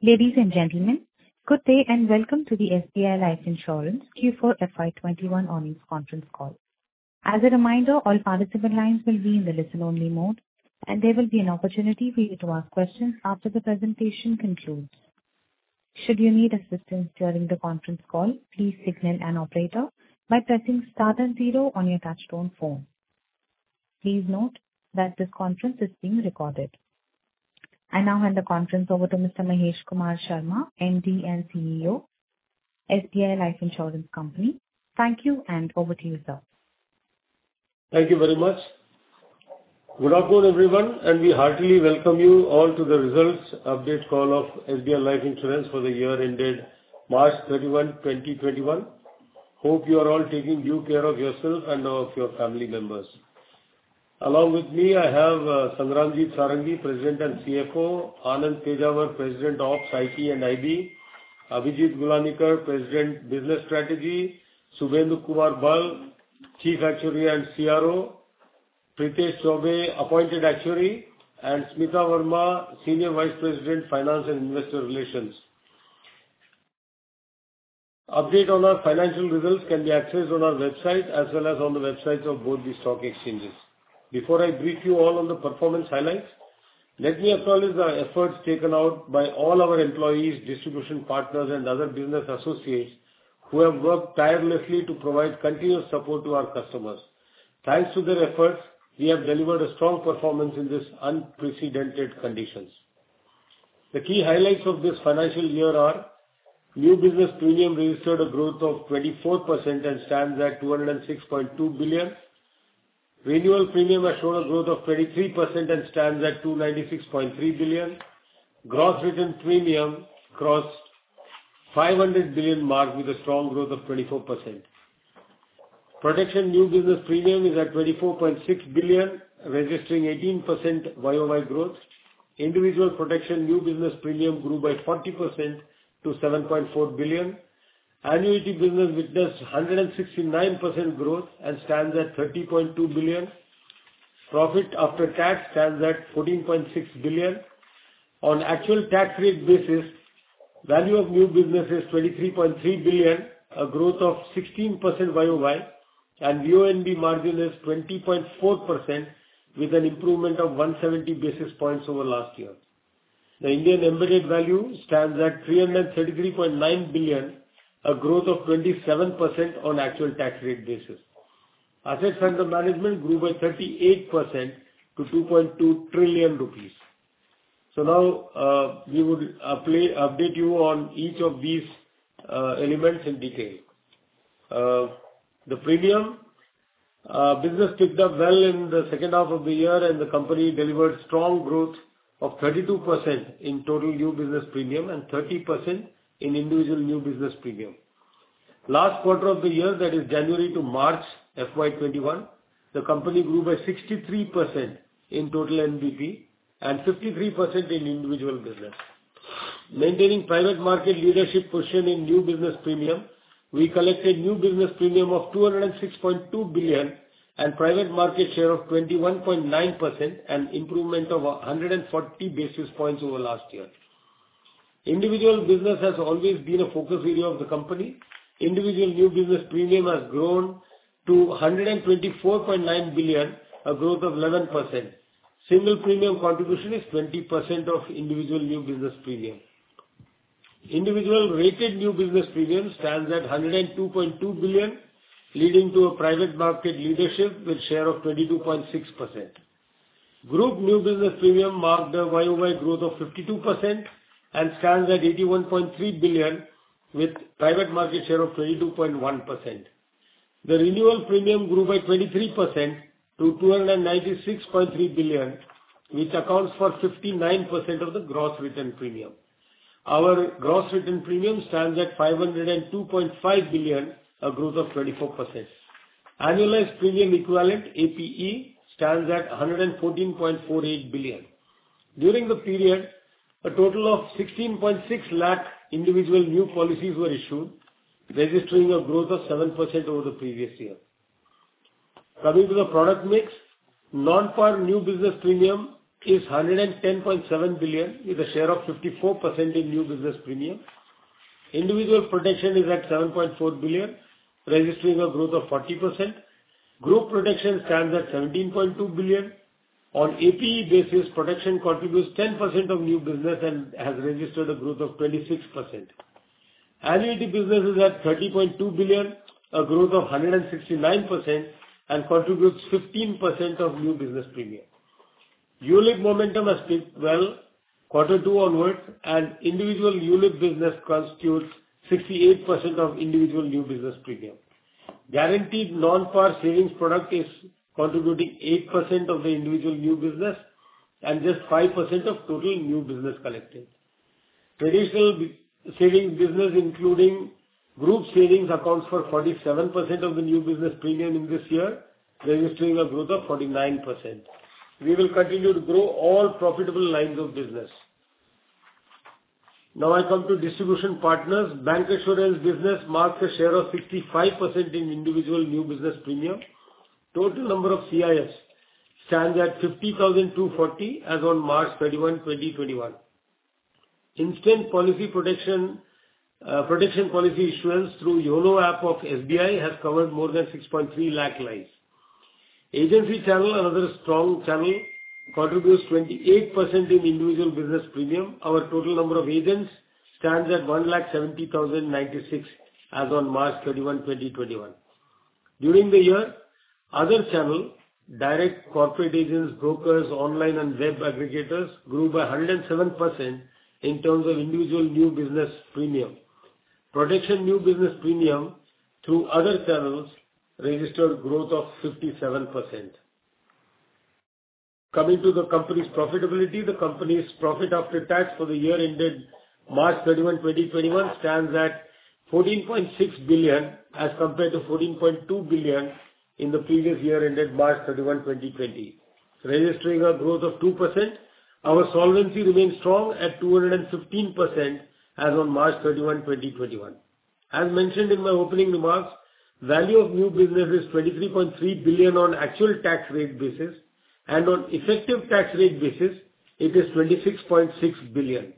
Ladies and gentlemen, good day and welcome to the SBI Life Insurance Q4 FY 2021 earnings conference call. As a reminder, all participant lines will be in the listen-only mode, and there will be an opportunity for you to ask questions after the presentation concludes. Should you need assistance during the conference call, please signal an operator by pressing star and zero on your touch-tone phone. Please note that this conference is being recorded. I now hand the conference over to Mr. Mahesh Kumar Sharma, MD and CEO, SBI Life Insurance Company. Thank you, and over to you, sir. Thank you very much. Good afternoon, everyone. We heartily welcome you all to the results update call of SBI Life Insurance for the year ended March 31, 2021. Hope you are all taking due care of yourself and of your family members. Along with me, I have Sangramjit Sarangi, President and CFO, Anand Pejawar, President of IT and IB, Abhijit Gulanikar, President Business Strategy, Subhendu Kumar Bal, Chief Actuary and CRO, Prithesh Chaubey, Appointed Actuary, and Smita Verma, Senior Vice President, Finance and Investor Relations. Update on our financial results can be accessed on our website as well as on the websites of both the stock exchanges. Before I brief you all on the performance highlights, let me acknowledge the efforts taken out by all our employees, distribution partners, and other business associates who have worked tirelessly to provide continuous support to our customers. Thanks to their efforts, we have delivered a strong performance in these unprecedented conditions. The key highlights of this financial year are new business premium registered a growth of 24% and stands at 206.2 billion. Renewal premium has shown a growth of 23% and stands at 296.3 billion. Gross written premium crossed 500 billion mark with a strong growth of 24%. Protection new business premium is at 24.6 billion, registering 18% YOY growth. Individual protection new business premium grew by 40% to 7.4 billion. Annuity business witnessed 169% growth and stands at 30.2 billion. Profit after tax stands at 14.6 billion. On actual tax rate basis, value of new business is 23.3 billion, a growth of 16% YOY, and VNB margin is 20.4% with an improvement of 170 basis points over last year. The Indian Embedded Value stands at 333.9 billion, a growth of 27% on actual tax rate basis. Assets under management grew by 38% to 2.2 trillion rupees. Now, we would update you on each of these elements in detail. The premium business picked up well in the second half of the year, and the company delivered strong growth of 32% in total new business premium and 30% in individual new business premium. Last quarter of the year, that is January to March FY 2021, the company grew by 63% in total NBP and 53% in individual business. Maintaining private market leadership position in new business premium, we collected new business premium of 206.2 billion and private market share of 21.9% and improvement of 140 basis points over last year. Individual business has always been a focus area of the company. Individual new business premium has grown to 124.9 billion, a growth of 11%. Single premium contribution is 20% of individual new business premium. Individual rated new business premium stands at 102.2 billion, leading to a private market leadership with share of 22.6%. Group new business premium marked a YOY growth of 52% and stands at 81.3 billion, with private market share of 22.1%. The renewal premium grew by 23% to 296.3 billion, which accounts for 59% of the gross written premium. Our gross written premium stands at 502.5 billion, a growth of 24%. Annualized premium equivalent, APE, stands at 114.48 billion. During the period, a total of 16.6 lakh individual new policies were issued, registering a growth of 7% over the previous year. Coming to the product mix, non-par new business premium is 110.7 billion, with a share of 54% in new business premium. Individual protection is at 7.4 billion, registering a growth of 40%. Group protection stands at 17.2 billion. On APE basis, protection contributes 10% of new business and has registered a growth of 26%. Annuity business is at 30.2 billion, a growth of 169%, and contributes 15% of new business premium. ULIP momentum has picked well quarter two onwards, and individual ULIP business constitutes 68% of individual new business premium. Guaranteed non-par savings product is contributing 8% of the individual new business and just 5% of total new business collected. Traditional savings business, including group savings, accounts for 47% of the new business premium in this year, registering a growth of 49%. We will continue to grow all profitable lines of business. Now I come to distribution partners. Aarav Sanghai business marked a share of 55% in individual new business premium. Total number of CIFS stands at 50,240 as on March 31, 2021. Instant protection policy insurance through YONO app of SBI has covered more than 6.3 lakh lives. Agency channel, another strong channel, contributes 28% in individual business premium. Our total number of agents stands at 170,096 as on March 31, 2021. During the year, other channels, direct corporate agents, brokers, online and web aggregators, grew by 107% in terms of individual new business premium. Protection new business premium through other channels registered growth of 57%. Coming to the company's profitability, the company's profit after tax for the year ended March 31, 2021, stands at 14.6 billion as compared to 14.2 billion in the previous year ended March 31, 2020, registering a growth of 2%. Our solvency remains strong at 215% as on March 31, 2021. As mentioned in my opening remarks, value of new business is 23.3 billion on actual tax rate basis, and on effective tax rate basis, it is 26.6 billion.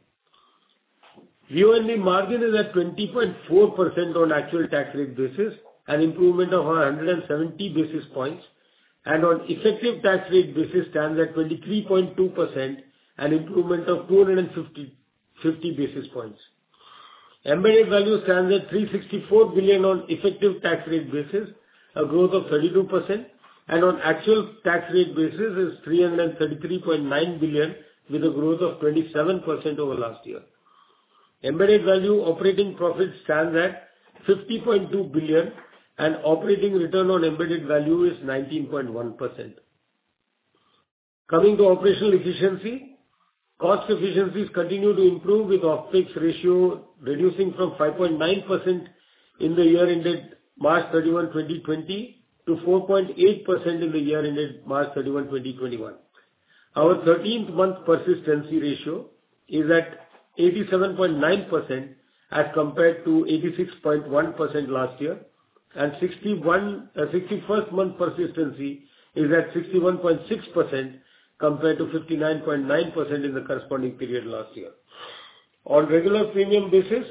VNB margin is at 20.4% on actual tax rate basis, an improvement of 170 basis points, and on effective tax rate basis stands at 23.2%, an improvement of 250 basis points. Embedded value stands at 364 billion on effective tax rate basis, a growth of 32%, and on actual tax rate basis is 333.9 billion with a growth of 27% over last year. Embedded value operating profit stands at 50.2 billion and operating return on embedded value is 19.1%. Coming to operational efficiency, cost efficiencies continue to improve with our opEX ratio reducing from 5.9% in the year ended March 31, 2020, to 4.8% in the year ended March 31, 2021. Our 13th-month persistency ratio is at 87.9% as compared to 86.1% last year, and 61st-month persistency is at 61.6% compared to 59.9% in the corresponding period last year. On regular premium basis,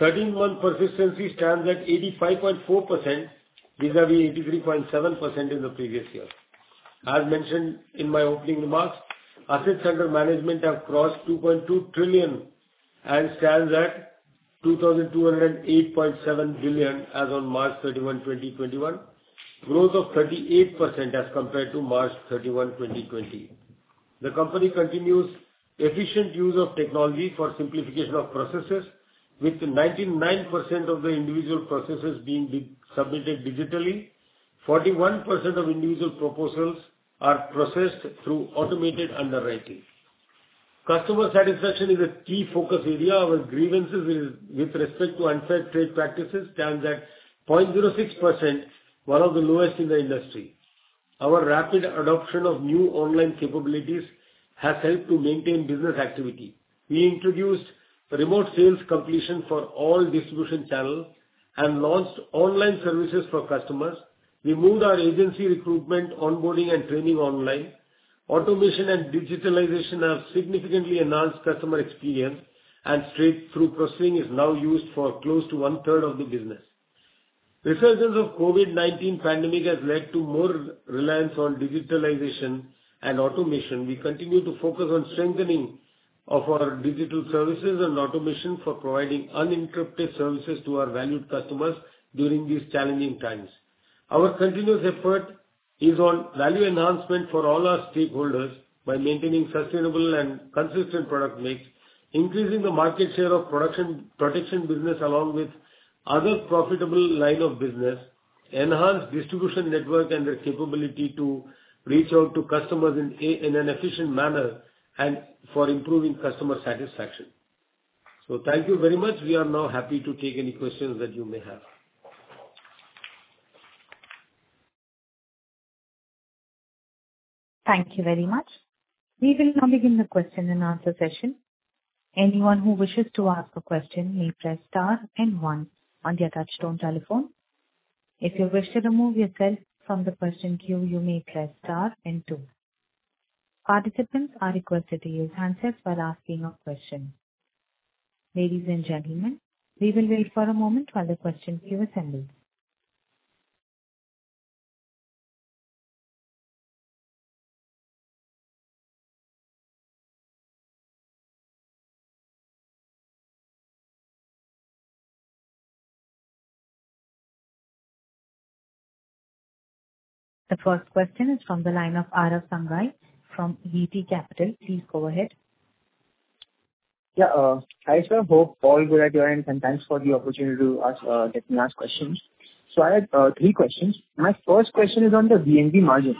13-month persistency stands at 85.4% vis-à-vis 83.7% in the previous year. As mentioned in my opening remarks, assets under management have crossed 2.2 trillion and stands at 2,208.7 billion as on March 31, 2021, growth of 38% as compared to March 31, 2020. The company continues efficient use of technology for simplification of processes with 99% of the individual processes being submitted digitally. 41% of individual proposals are processed through automated underwriting. Customer satisfaction is a key focus area. Our grievances with respect to unfair trade practices stands at 0.06%, one of the lowest in the industry. Our rapid adoption of new online capabilities has helped to maintain business activity. We introduced remote sales completion for all distribution channels and launched online services for customers. We moved our agency recruitment, onboarding, and training online. Automation and digitalization have significantly enhanced customer experience, and straight-through processing is now used for close to 1/3 of the business. Resurgence of COVID-19 pandemic has led to more reliance on digitalization and automation. We continue to focus on strengthening of our digital services and automation for providing uninterrupted services to our valued customers during these challenging times. Our continuous effort is on value enhancement for all our stakeholders by maintaining sustainable and consistent product mix, increasing the market share of protection business along with other profitable line of business, enhance distribution network and the capability to reach out to customers in an efficient manner and for improving customer satisfaction. Thank you very much. We are now happy to take any questions that you may have. Thank you very much. We will now begin the question and answer session. The first question is from the line of Aarav Sanghai from Eternity Capital. Please go ahead. Yeah. Hi, sir. Hope all good at your end, and thanks for the opportunity to let me ask questions. I have three questions. My first question is on the VNB margin.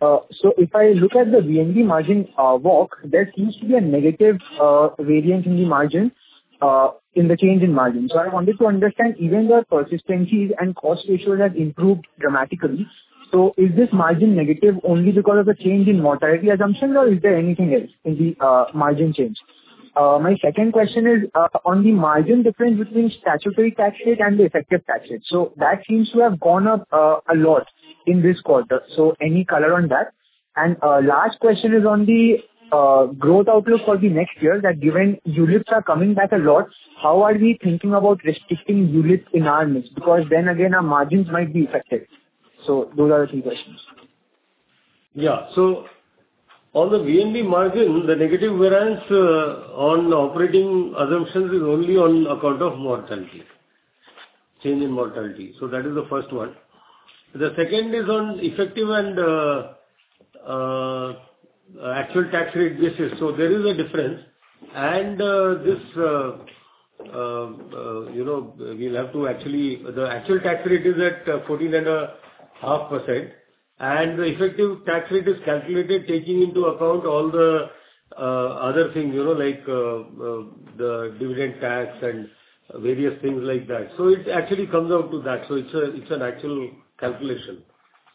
If I look at the VNB margin walk, there seems to be a negative variant in the margin, in the change in margin. I wanted to understand, even though persistency and cost ratio has improved dramatically, so is this margin negative only because of the change in mortality assumption, or is there anything else in the margin change? My second question is on the margin difference between statutory tax rate and the effective tax rate. That seems to have gone up a lot in this quarter. Any color on that? Last question is on the growth outlook for the next year, that given ULIPs are coming back a lot, how are we thinking about restricting ULIPs in our mix? Again, our margins might be affected. Those are the three questions. On the VNB margin, the negative variance on operating assumptions is only on account of mortality, change in mortality. That is the first one. The second is on effective and actual tax rate basis. There is a difference and the actual tax rate is at 14.5%. The effective tax rate is calculated taking into account all the other things, like the dividend tax and various things like that. It actually comes out to that. It's an actual calculation.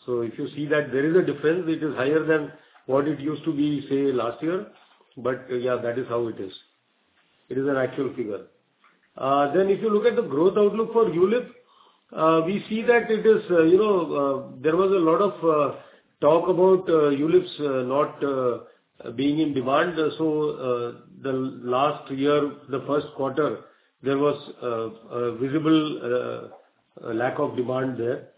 If you see that there is a difference, it is higher than what it used to be, say, last year. That is how it is. It is an actual figure. If you look at the growth outlook for ULIP, we see that there was a lot of talk about ULIPs not being in demand. The last year, the first quarter, there was a visible lack of demand there.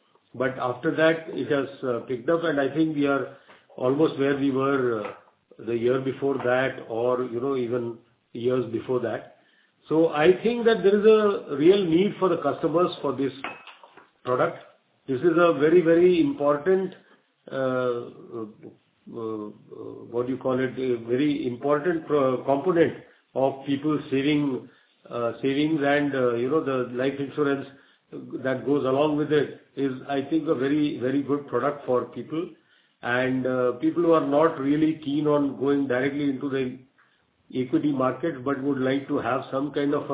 After that it has picked up, and I think we are almost where we were the year before that or even years before that. I think that there is a real need for the customers for this product. This is a very important component of people's savings and the life insurance that goes along with it is, I think, a very good product for people. People who are not really keen on going directly into the equity market but would like to have some kind of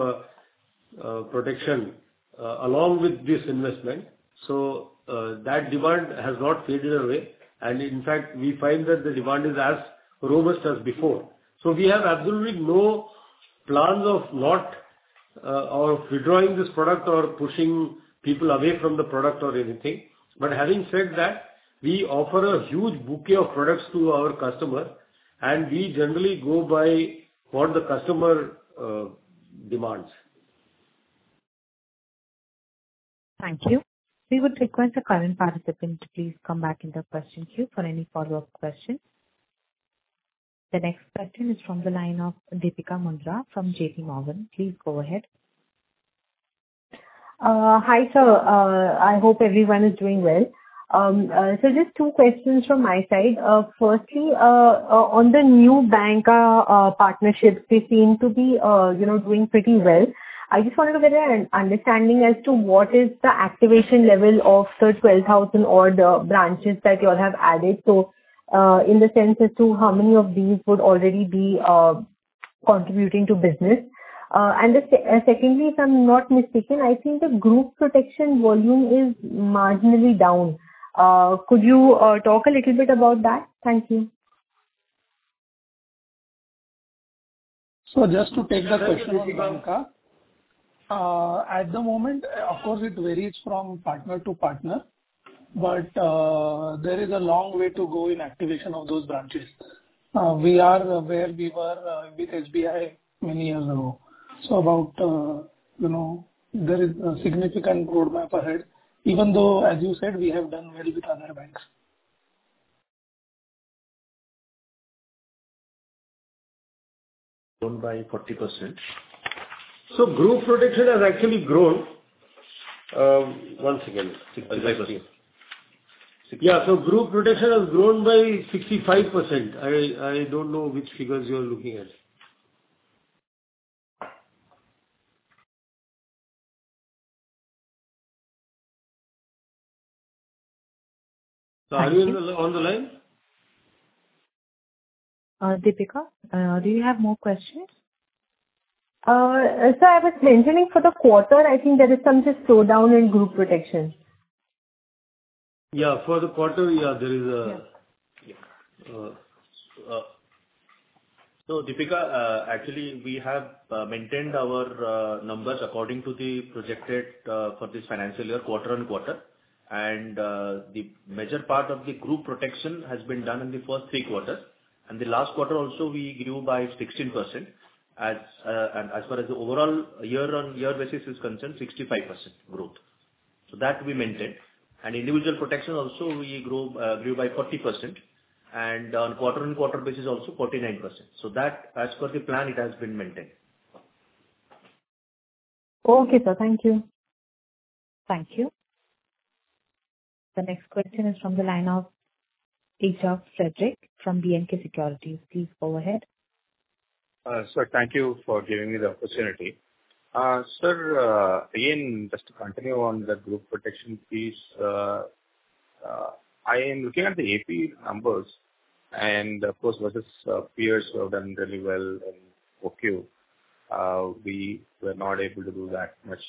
a protection along with this investment. That demand has not faded away. In fact, we find that the demand is as robust as before. We have absolutely no plans of withdrawing this product or pushing people away from the product or anything. Having said that, we offer a huge bouquet of products to our customer, and we generally go by what the customer demands. Thank you. We would request the current participant to please come back in the question queue for any follow-up questions. The next question is from the line of Deepika Mundra from JPMorgan. Please go ahead. Hi, sir. I hope everyone is doing well. Just two questions from my side. Firstly, on the new bank partnerships, they seem to be doing pretty well. I just wanted to get an understanding as to what is the activation level of the 12,000-order branches that you all have added. In the sense as to how many of these would already be contributing to business. Secondly, if I'm not mistaken, I think the group protection volume is marginally down. Could you talk a little bit about that? Thank you. Just to take the question, Deepika. At the moment, of course, it varies from partner to partner. There is a long way to go in activation of those branches. We are where we were with SBI many years ago. There is a significant roadmap ahead, even though, as you said, we have done well with other banks. Grown by 40%. Group protection has actually grown. One second. 65%. Yeah. Group protection has grown by 65%. I don't know which figures you are looking at. Are you on the line? Deepika, do you have more questions? Sir, I was mentioning for the quarter, I think there is some just slowdown in group protection. Yeah. For the quarter, yeah. Deepika, actually, we have maintained our numbers according to the projected for this financial year, quarter-on-quarter. The major part of the group protection has been done in the first three quarters. The last quarter also, we grew by 16%. As far as the overall year-on-year basis is concerned, 65% growth. That we maintained. Individual protection also we grew by 40%. On quarter-on-quarter basis also, 49%. That as per the plan, it has been maintained. Okay, sir. Thank you. Thank you. The next question is from the line of Peter Fredrick from B&K Securities. Please go ahead. Sir, thank you for giving me the opportunity. Sir, again, just to continue on the group protection piece. I am looking at the APE numbers and of course, versus peers who have done really well and for you. We were not able to do that much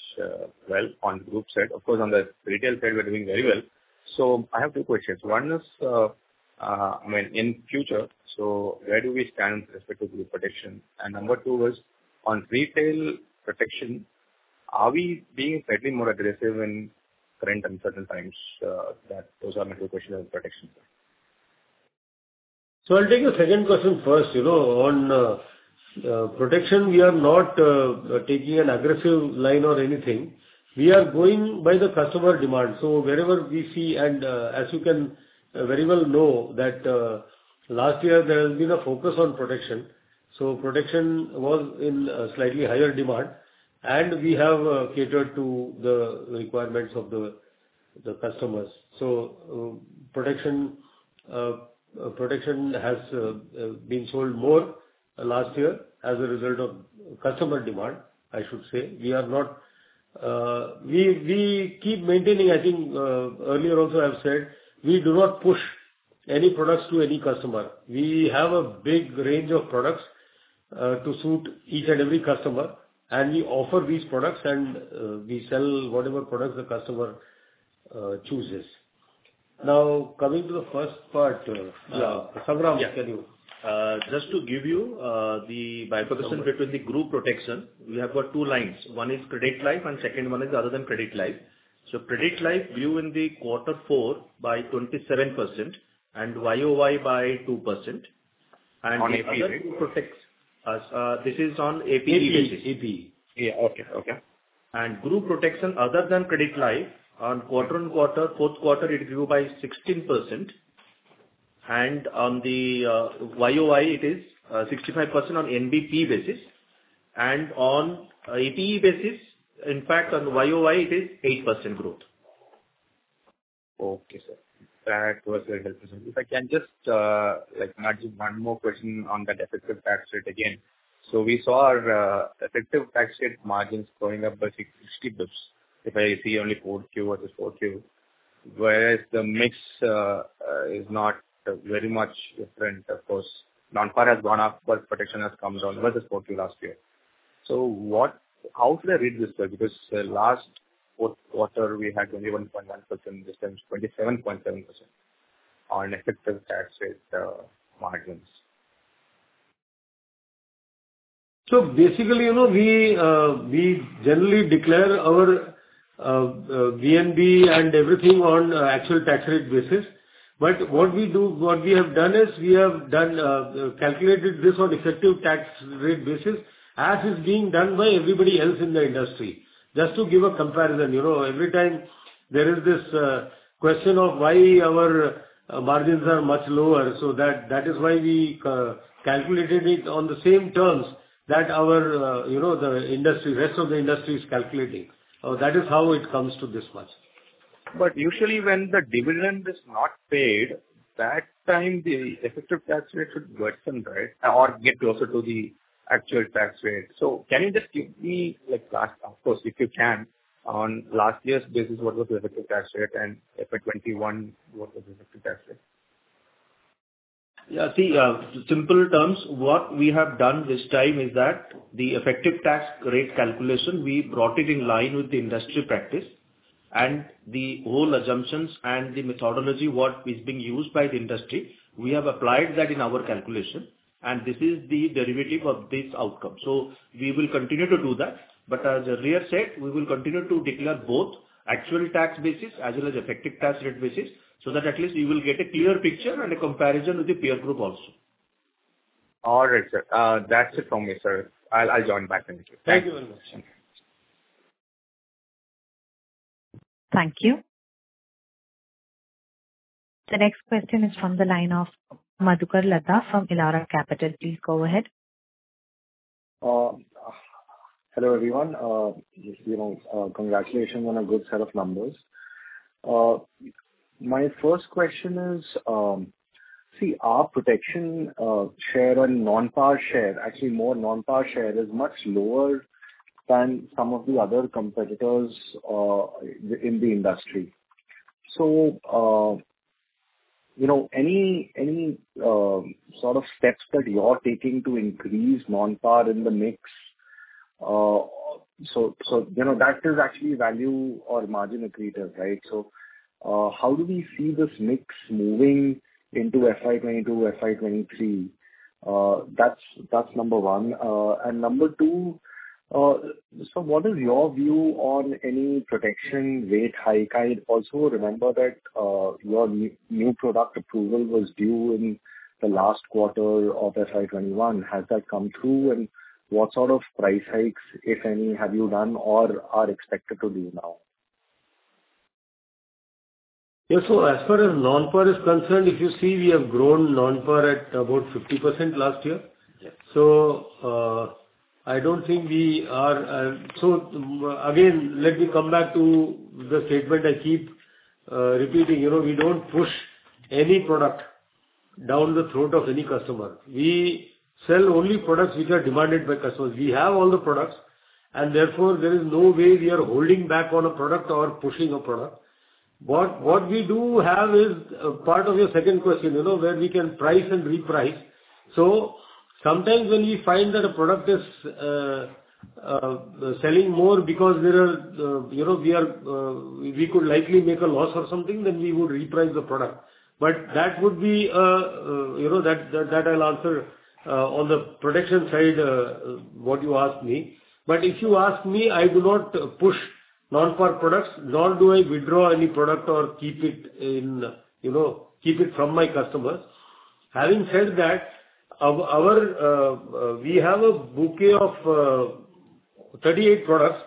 well on group side. Of course, on the retail side, we're doing very well. I have two questions. One is, in future, so where do we stand with respect to group protection? Number two was, on retail protection, are we being slightly more aggressive in current uncertain times? Those are my two questions on protection. I'll take your second question first. On protection, we are not taking an aggressive line or anything. We are going by the customer demand. Wherever we see, and as you can very well know, that last year there has been a focus on protection. Protection was in slightly higher demand, and we have catered to the requirements of the customers. Protection has been sold more last year as a result of customer demand, I should say. I think earlier also I've said, we do not push any products to any customer. We have a big range of products to suit each and every customer, and we offer these products, and we sell whatever products the customer chooses. Coming to the first part. Sangram, carry on. Just to give you the bifurcation between the group protection. We have got two lines. One is credit life and second one is other than credit life. Credit life grew in the Quarter Four by 27% and YOY by 2%. On APE, right? This is on APE basis. APE. Okay. Group protection other than credit life, on quarter-on-quarter, fourth quarter, it grew by 16%. On the YOY it is 65% on NBP basis. On APE basis, in fact, on YOY it is 8% growth. Okay, sir. That was very helpful, sir. If I can just nudge in one more question on that effective tax rate again. We saw our effective tax rate margins going up by 60 basis points if I see only 4Q versus 4Q. Whereas the mix is not very much different. Of course, non-par has gone up, but protection has come down versus 4Q last year. How should I read this, sir? Last quarter we had 21.1%, this time it's 27.7% on effective tax rate margins. Basically, we generally declare our VNB and everything on actual tax rate basis. What we have done is we have calculated this on effective tax rate basis, as is being done by everybody else in the industry. Just to give a comparison, every time there is this question of why our margins are much lower. That is why we calculated it on the same terms that the rest of the industry is calculating. That is how it comes to this much. Usually when the dividend is not paid, that time the effective tax rate should worsen, right? Get closer to the actual tax rate. Can you just give me, of course, if you can, on last year's basis, what was the effective tax rate and FY 2021, what was the effective tax rate? See, simple terms. What we have done this time is that the effective tax rate calculation, we brought it in line with the industry practice and the whole assumptions and the methodology, what is being used by the industry, we have applied that in our calculation, and this is the derivative of this outcome. We will continue to do that. As Riya said, we will continue to declare both actual tax basis as well as effective tax rate basis, so that at least you will get a clear picture and a comparison with the peer group also. All right, sir. That's it from me, sir. I'll join back. Thank you. Thank you very much. Thank you. The next question is from the line of Madhukar Ladha from Elara Capital. Please go ahead. Hello, everyone. Congratulations on a good set of numbers. My first question is, our protection share and non-par share, actually more non-par share is much lower than some of the other competitors in the industry. Any sort of steps that you are taking to increase non-par in the mix. That is actually value or margin accretive, right? How do we see this mix moving into FY 2022, FY 2023? That's number one. Number two, so what is your view on any protection rate hike? Also, remember that your new product approval was due in the last quarter of FY 2021. Has that come through? What sort of price hikes, if any, have you done or are expected to do now? Yeah. As far as non-par is concerned, if you see, we have grown non-par at about 50% last year. Yeah. Again, let me come back to the statement I keep repeating. We don't push any product down the throat of any customer. We sell only products which are demanded by customers. We have all the products, and therefore there is no way we are holding back on a product or pushing a product. What we do have is part of your second question, where we can price and reprice. Sometimes when we find that a product is selling more because we could likely make a loss or something, then we would reprice the product. That I'll answer on the protection side, what you ask me. If you ask me, I do not push non-par products, nor do I withdraw any product or keep it from my customers. Having said that, we have a bouquet of 38 products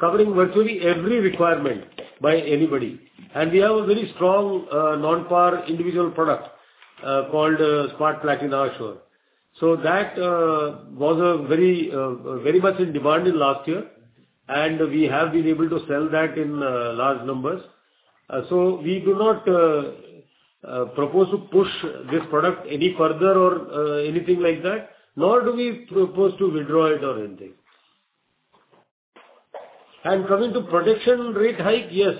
covering virtually every requirement by anybody. We have a very strong non-par individual product called Smart Platina Assure. That was very much in demand in last year, and we have been able to sell that in large numbers. We do not propose to push this product any further or anything like that, nor do we propose to withdraw it or anything. Coming to protection rate hike, yes.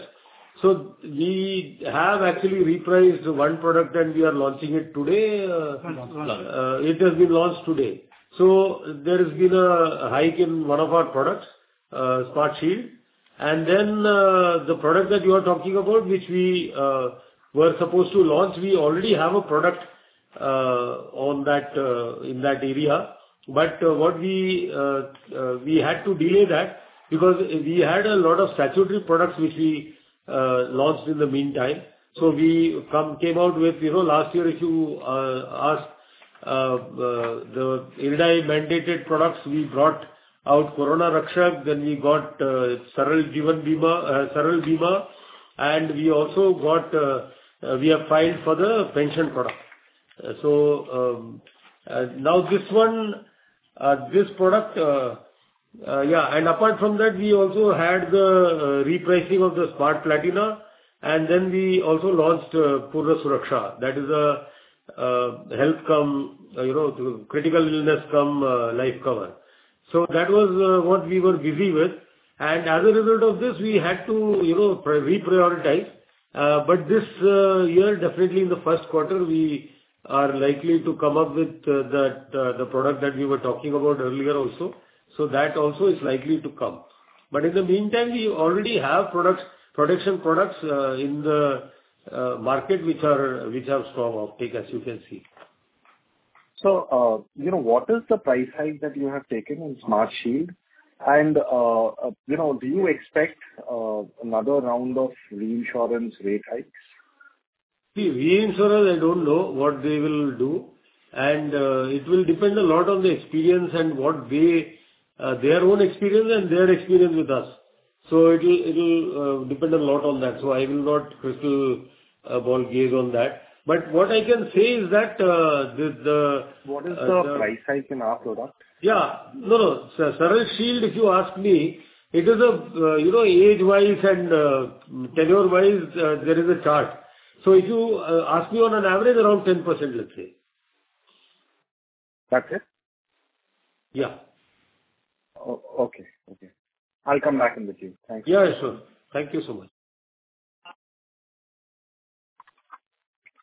We have actually repriced one product and we are launching it today. Launched. It has been launched today. There's been a hike in one of our products, Smart Shield. The product that you are talking about, which we were supposed to launch, we already have a product in that area. We had to delay that because we had a lot of statutory products which we launched in the meantime. We came out with, last year if you ask, the IRDAI-mandated products, we brought out Corona Rakshak, then we got Saral Jeevan Bima, Saral Bima, and we have filed for the pension product. Apart from that, we also had the repricing of the Smart Platina, we also launched Poorna Suraksha. That is a health cum critical illness cum life cover. That was what we were busy with. As a result of this, we had to reprioritize. This year, definitely in the first quarter, we are likely to come up with the product that we were talking about earlier also. That also is likely to come. In the meantime, we already have protection products in the market, which have strong uptake, as you can see. What is the price hike that you have taken on Smart Shield? Do you expect another round of reinsurance rate hikes? Reinsurers, I don't know what they will do, and it will depend a lot on the experience and what their own experience and their experience with us. It'll depend a lot on that. I will not crystal ball gaze on that. What I can say is that. What is the price hike in our product? Yeah. No, no. Smart Shield, if you ask me, it is age-wise and tenure-wise, there is a chart. If you ask me on an average, around 10%, let's say. That's it? Yeah. Okay. I'll come back in with you. Thank you. Yeah, sure. Thank you so much.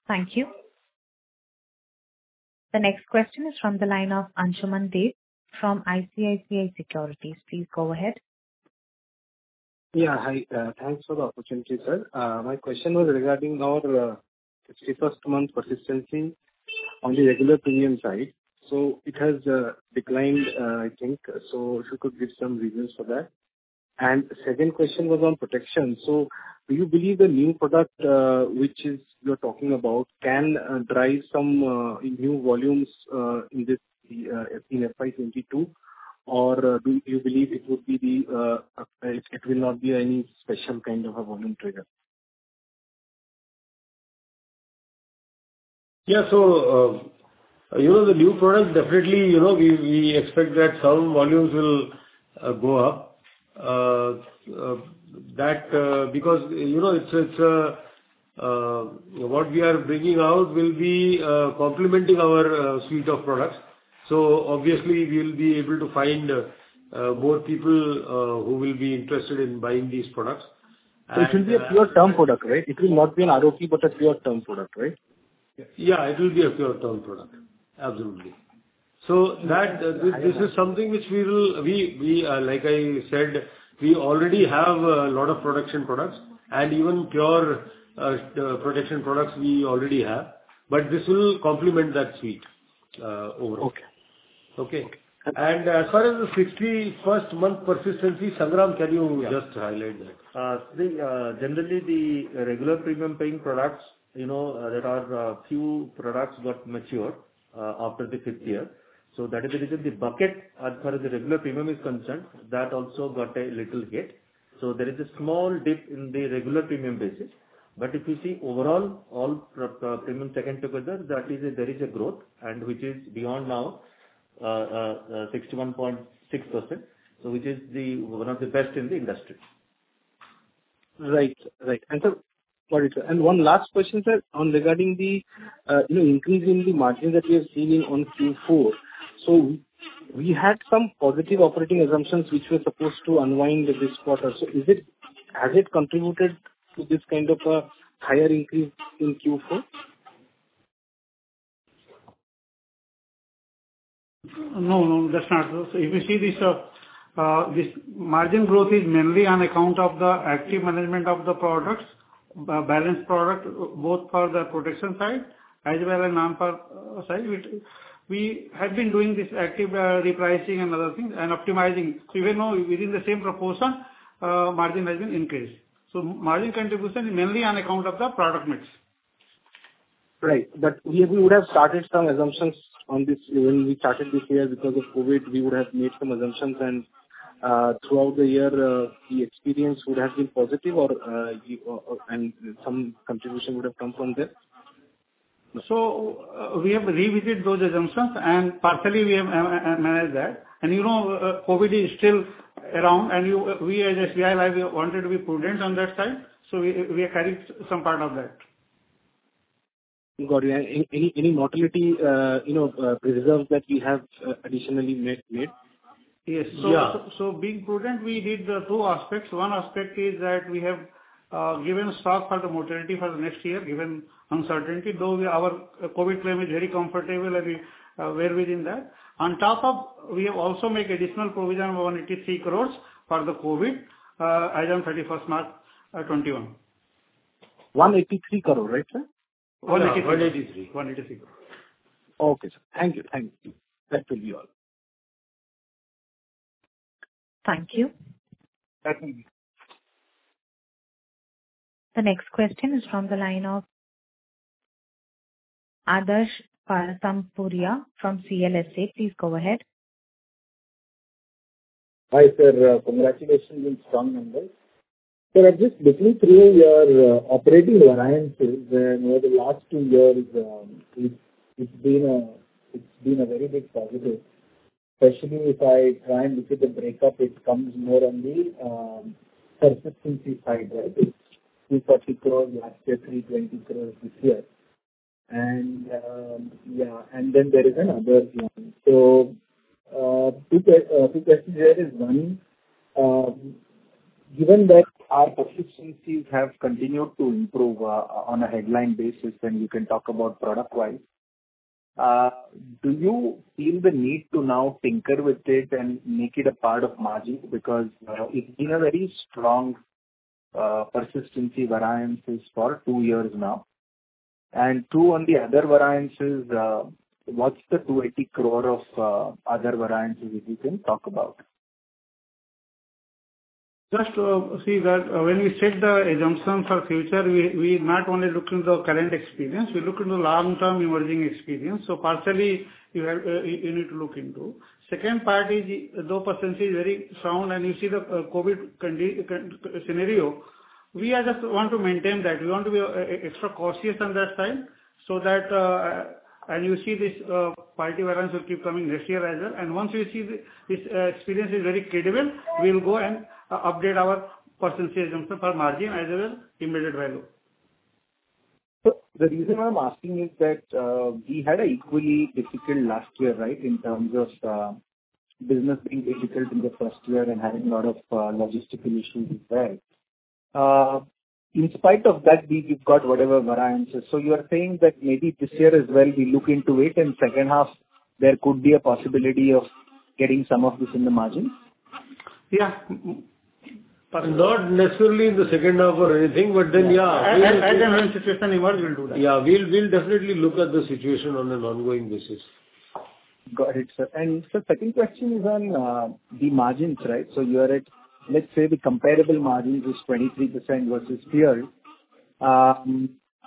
Thank you. The next question is from the line of Ansuman Deb from ICICI Securities. Please go ahead. Yeah, hi. Thanks for the opportunity, sir. My question was regarding our 61st month persistency on the regular premium side. It has declined, I think. If you could give some reasons for that. Second question was on protection. Do you believe the new product which you are talking about can drive some new volumes in FY 2022? Do you believe it will not be any special kind of a volume trigger? Yeah. The new product, definitely, we expect that some volumes will go up. Because what we are bringing out will be complementing our suite of products. It will be a pure term product, right? It will not be an ROP, but a pure term product, right? Yeah, it will be a pure term product. Absolutely. This is something which we, like I said, we already have a lot of protection products, and even pure protection products we already have. This will complement that suite overall. Okay. Okay? As far as the 61st month persistency, Sangram, can you just highlight that? Generally, the regular premium-paying products, there are a few products got matured after the fifth year. That is the reason the bucket as far as the regular premium is concerned, that also got a little hit. There is a small dip in the regular premium business. If you see overall, all premium taken together, there is a growth and which is beyond now, 61.6%, which is one of the best in the industry. Right. One last question, sir. Regarding the increase in the margin that we have seen on Q4, we had some positive operating assumptions which were supposed to unwind this quarter. Has it contributed to this kind of a higher increase in Q4? No, that's not so. If you see, this margin growth is mainly on account of the active management of the products, balance product, both for the protection side as well as non-par side. We have been doing this active repricing and other things and optimizing. Even now, within the same proportion, margin has been increased. Margin contribution is mainly on account of the product mix. Right. We would have started some assumptions on this when we started this year. Because of COVID, we would have made some assumptions and throughout the year, the experience would have been positive or some contribution would have come from there. We have revisited those assumptions and partially we have managed that. COVID is still around and we as SBI Life wanted to be prudent on that side. We are carrying some part of that. Got it. Any mortality reserves that you have additionally made? Yes. Yeah. Being prudent, we did two aspects. One aspect is that we have given shock for the mortality for the next year, given uncertainty, though our COVID claim is very comfortable and we're within that. On top of, we have also made additional provision of 183 crore for the COVID as on 31st March 2021. 183 crore, right sir? 183. Yeah, 183. 183 crore. Okay, sir. Thank you. That will be all. Thank you. Thank you. The next question is from the line of Adarsh Parasrampuria from CLSA. Please go ahead. Hi, sir. Congratulations in strong numbers. Sir, I've just looked through your operating variances where the last two years it's been a very big positive. Especially if I try and look at the breakup, it comes more on the persistency side, right? INR 240 crore last year, INR 320 crore this year. There is another one. Two questions there is one, given that our persistency have continued to improve on a headline basis when we can talk about product-wise, do you feel the need to now tinker with it and make it a part of margin? It's been a very strong persistency variances for two years now. Two, on the other variances, what's the 280 crore of other variances if you can talk about. Just to see that when we set the assumptions for future, we not only look into the current experience, we look into long-term emerging experience. Partially, you need to look into. Second part is though persistency is very sound and you see the COVID scenario, we just want to maintain that. We want to be extra cautious on that side. You see this positive variance will keep coming next year as well. Once we see this experience is very credible, we will go and update our persistency assumption for margin as well as embedded value. Sir, the reason I'm asking is that we had equally difficult last year, right, in terms of business being difficult in the first year and having a lot of logistical issues there. In spite of that, we've got whatever variances. You are saying that maybe this year as well, we look into it and second half there could be a possibility of getting some of this in the margin. Yeah. Not necessarily in the second half or anything, but then yeah. As and when situation emerge, we'll do that. Yeah. We'll definitely look at the situation on an ongoing basis. Got it, sir. Sir, second question is on the margins, right? You are at, let's say the comparable margins is 23% versus peers.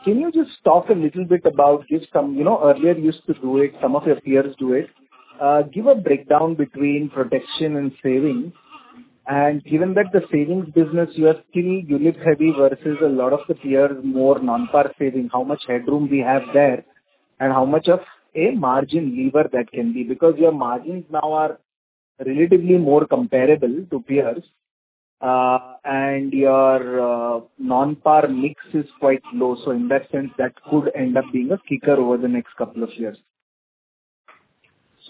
Can you just talk a little bit about Earlier you used to do it, some of your peers do it. Give a breakdown between protection and savings. Given that the savings business, you are still unit-heavy versus a lot of the peers more non-par saving, how much headroom we have there and how much of a margin lever that can be. Your margins now are relatively more comparable to peers, and your non-par mix is quite low. In that sense, that could end up being a kicker over the next couple of years.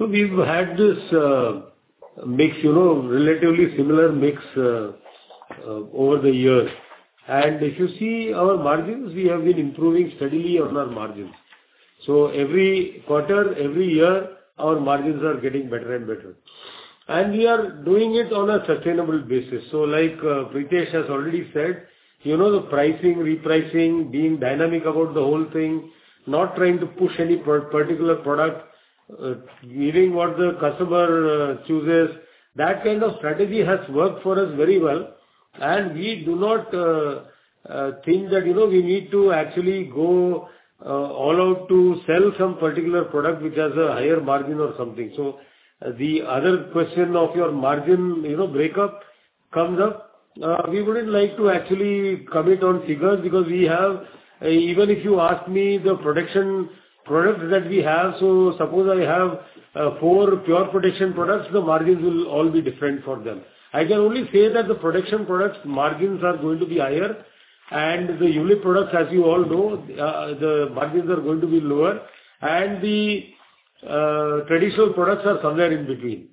We've had this relatively similar mix over the years. If you see our margins, we have been improving steadily on our margins. Every quarter, every year, our margins are getting better and better. We are doing it on a sustainable basis. Like Prithesh has already said, the pricing, repricing, being dynamic about the whole thing, not trying to push any particular product, giving what the customer chooses. That kind of strategy has worked for us very well. We do not think that we need to actually go all out to sell some particular product which has a higher margin or something. The other question of your margin breakup comes up. We wouldn't like to actually commit on figures because even if you ask me the protection products that we have, so suppose I have four pure protection products, the margins will all be different for them. I can only say that the protection products margins are going to be higher and the unit products, as you all know, the margins are going to be lower and the traditional products are somewhere in between.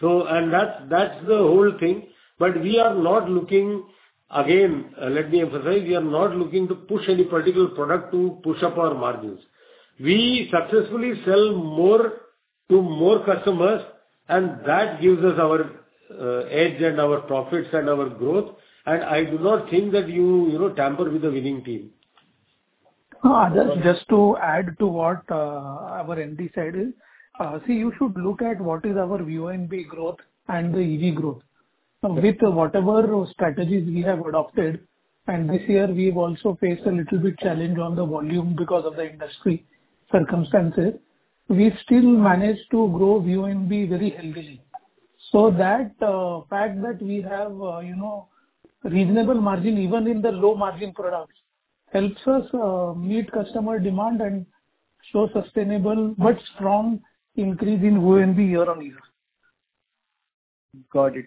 That's the whole thing. Again, let me emphasize, we are not looking to push any particular product to push up our margins. We successfully sell more to more customers, and that gives us our edge and our profits and our growth. I do not think that you tamper with the winning team. Just to add to what our MD said. See, you should look at what is our VNB growth and the EV growth. Okay. With whatever strategies we have adopted, and this year, we've also faced a little bit challenge on the volume because of the industry circumstances. We've still managed to grow VNB very healthily. That fact that we have reasonable margin even in the low margin products, helps us meet customer demand and show sustainable but strong increase in VNB year-on-year. Got it.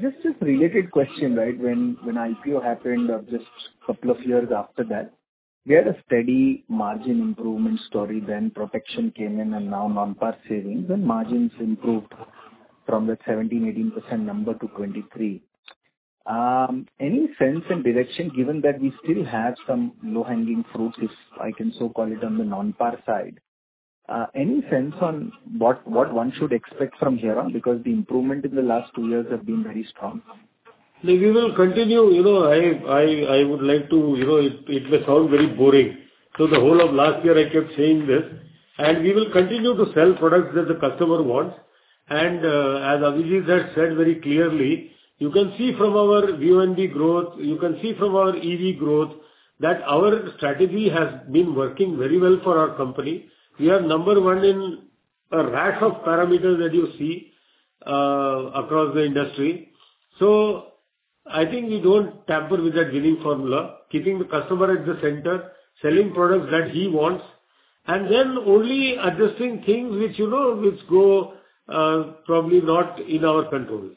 Just a related question. When IPO happened, or just couple of years after that, we had a steady margin improvement story, then protection came in and now non-Par savings and margins improved from that 17%, 18% number to 23%. Any sense and direction given that we still have some low-hanging fruit, if I can so call it on the non-Par side. Any sense on what one should expect from here on? The improvement in the last two years have been very strong. We will continue. It may sound very boring. The whole of last year, I kept saying this, and we will continue to sell products that the customer wants. As Abhijit has said very clearly, you can see from our VNB growth, you can see from our EV growth that our strategy has been working very well for our company. We are number one in a raft of parameters that you see across the industry. I think we don't tamper with that winning formula, keeping the customer at the center, selling products that he wants, and then only adjusting things which go probably not in our control.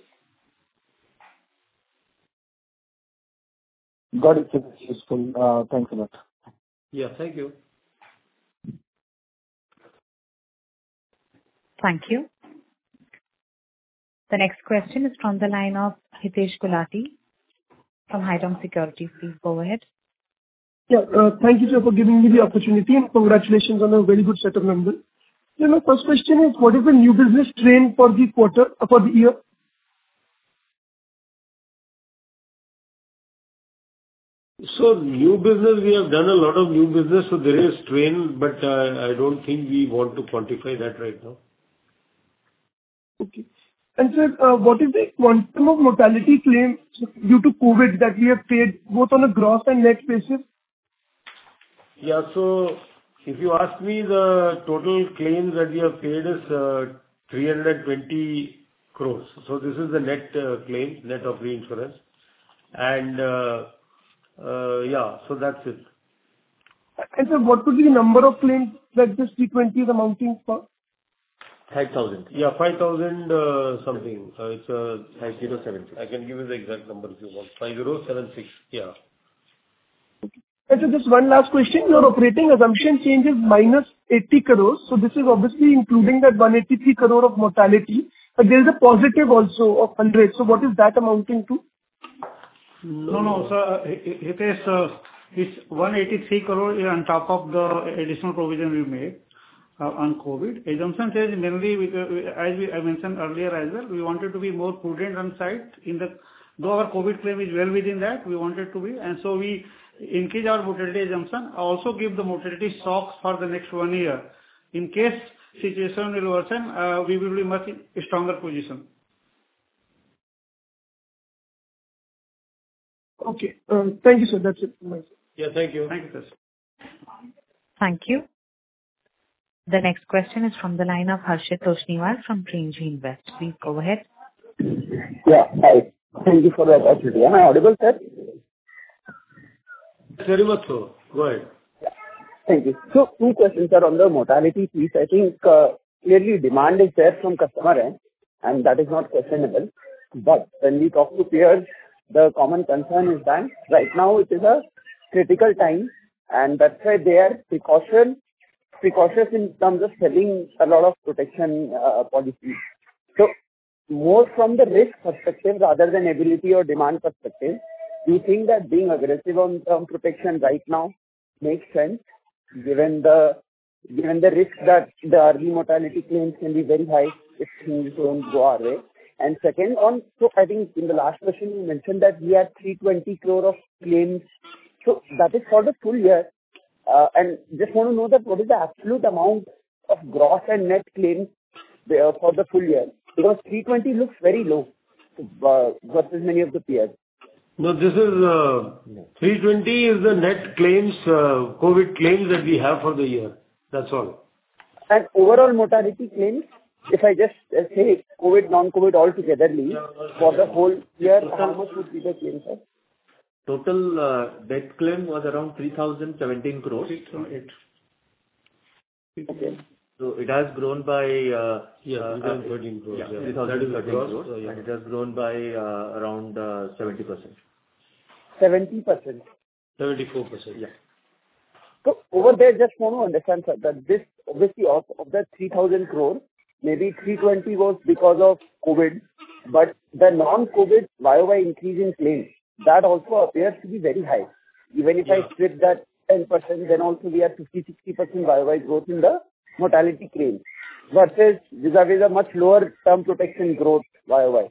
Got it. Very useful. Thanks a lot. Yeah. Thank you. Thank you. The next question is from the line of Hitesh Gulati from Haitong Securities. Please go ahead. Yeah. Thank you, sir, for giving me the opportunity, and congratulations on a very good set of numbers. My first question is, what is the new business strain for the year? New business, we have done a lot of new business, so there is strain, but I don't think we want to quantify that right now. Okay. Sir, what is the quantum of mortality claims due to COVID that we have paid both on a gross and net basis? Yeah. If you ask me, the total claims that we have paid is 320 crores. This is the net claim, net of reinsurance. Yeah. That's it. Sir, what would be the number of claims that this 320 amounting for? 5,000. Yeah, 5,000 something. 5076. I can give you the exact number if you want. 5076. Yeah. Okay. Sir, just one last question. Your operating assumption change is - 80 crore. This is obviously including that 183 crore of mortality. There is a positive also of 100. What is that amounting to? No, sir. Hitesh, this 183 crore is on top of the additional provision we made on COVID. Assumption change is mainly as I mentioned earlier as well, we wanted to be more prudent on site. Though our COVID claim is well within that, we increase our mortality assumption, also give the mortality shocks for the next one year. In case situation will worsen, we will be much in a stronger position. Okay. Thank you, sir. That's it from my side. Yeah. Thank you. Thank you, sir. Thank you. The next question is from the line of Harshit Toshniwal from Primji Invest. Please go ahead. Yeah. Hi. Thank you for the opportunity. Am I audible, sir? Very much so. Go ahead. Thank you. Two questions, sir. On the mortality piece, I think clearly demand is there from customer end, that is not questionable. When we talk to peers, the common concern is that right now it is a critical time, and that's why they are precautious in terms of selling a lot of protection policies. More from the risk perspective rather than ability or demand perspective, do you think that being aggressive on term protection right now makes sense given the risk that the early mortality claims can be very high if things don't go our way? Second one, I think in the last question, you mentioned that we had 320 crore of claims. That is for the full year. Just want to know that what is the absolute amount of gross and net claims for the full year? 320 looks very low versus many of the peers. No, 320 is the net COVID claims that we have for the year. That's all. Overall mortality claims. If I just say COVID, non-COVID altogether for the whole year, how much would be the claim, sir? Total death claim was around 3,017 crores. Okay. It has grown. Yeah. 3,013 crores. Yeah. INR 3,013 crores. Yeah. It has grown by around 70%. 70%? 74%. Yeah. Over there, just want to understand, sir, that obviously of that 3,000 crore, maybe 320 was because of COVID, but the non-COVID YOY increase in claims, that also appears to be very high. Even if I strip that 10%, then also we have 50%-60% YOY growth in the mortality claim versus this is a much lower term protection growth YOY.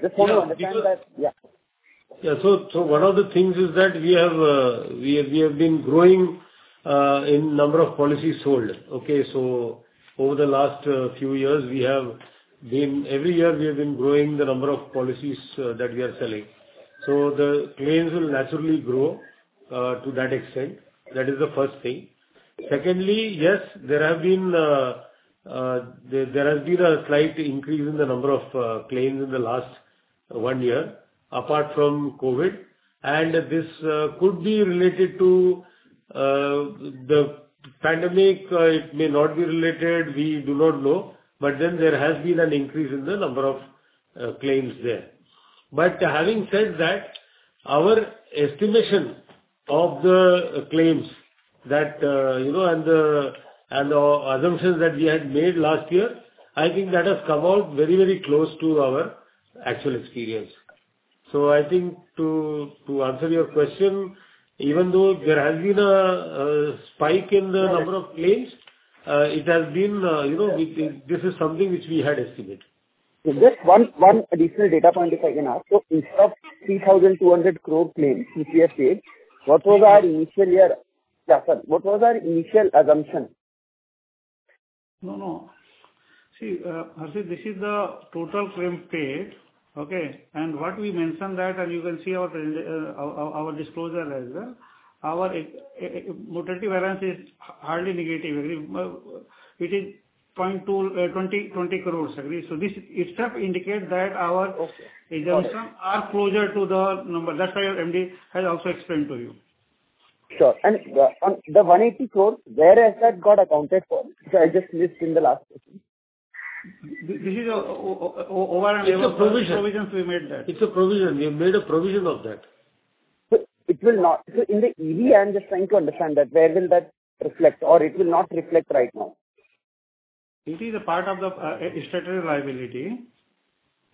Just want to understand that. One of the things is that we have been growing in number of policies sold. Over the last few years, every year we have been growing the number of policies that we are selling. The claims will naturally grow to that extent. That is the first thing. Secondly, there has been a slight increase in the number of claims in the last one year, apart from COVID. This could be related to the pandemic, it may not be related, we do not know. There has been an increase in the number of claims there. Having said that, our estimation of the claims and the assumptions that we had made last year, I think that has come out very close to our actual experience. I think to answer your question, even though there has been a spike in the number of claims, this is something which we had estimated. Just one additional data point, if I can ask. Instead of 3,200 crore claim which we have paid, what was our initial assumption? No. See, Harshit, this is the total claim paid, okay? What we mentioned that, and you can see our disclosure as well, our mortality variance is hardly negative. It is 20 crores. Okay assumptions are closer to the number. That's why our MD has also explained to you. Sure. The 180 crore, where has that got accounted for? I just missed in the last question. It's a provision. Provisions we made there. It's a provision. We have made a provision of that. In the EV, I'm just trying to understand that where will that reflect or it will not reflect right now? It is a part of the statutory liability.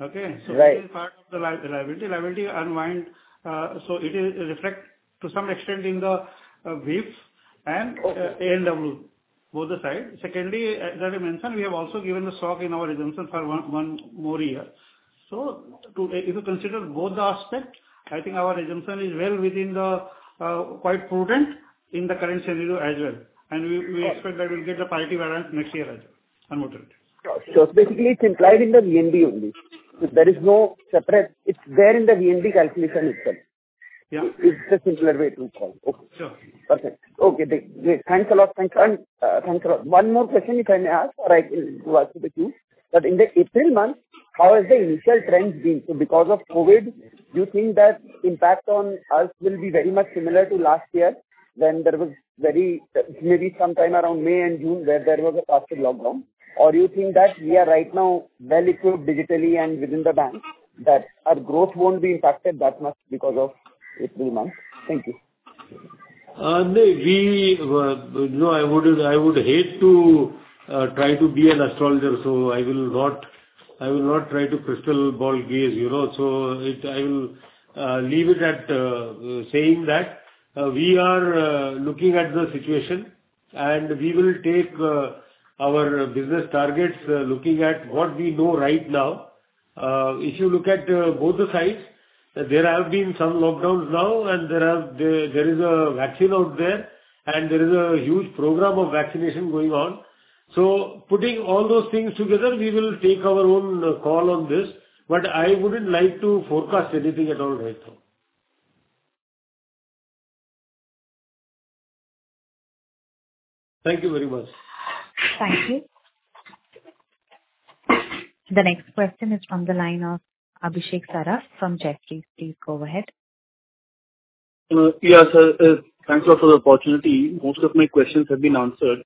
Okay? Right. It is part of the liability. It will reflect to some extent in the VIFs and ANW, both the sides. Secondly, as already mentioned, we have also given the SOC in our assumption for one more year. If you consider both the aspects, I think our assumption is well within the quite prudent in the current scenario as well. We expect that we'll get a positive variance next year as well on mortality. Sure. Basically it's implied in the VNB only. There is no separate. It's there in the VNB calculation itself. Yeah. It's the simpler way to call. Sure. Perfect. Okay. Great. Thanks a lot. One more question if I may ask or I will give it to the queue. In the April month, how has the initial trends been? Because of COVID, do you think that impact on us will be very much similar to last year when there was maybe sometime around May and June where there was a partial lockdown? Do you think that we are right now well-equipped digitally and within the bank that our growth won't be impacted that much because of April month? Thank you. No. I would hate to try to be an astrologer. I will not try to crystal ball gaze. I will leave it at saying that we are looking at the situation, and we will take our business targets looking at what we know right now. If you look at both the sides, there have been some lockdowns now, and there is a vaccine out there, and there is a huge program of vaccination going on. Putting all those things together, we will take our own call on this. I wouldn't like to forecast anything at all right now. Thank you very much. Thank you. The next question is from the line of Abhishek Saraf from Jefferies. Please go ahead. Yes, sir. Thanks a lot for the opportunity. Most of my questions have been answered.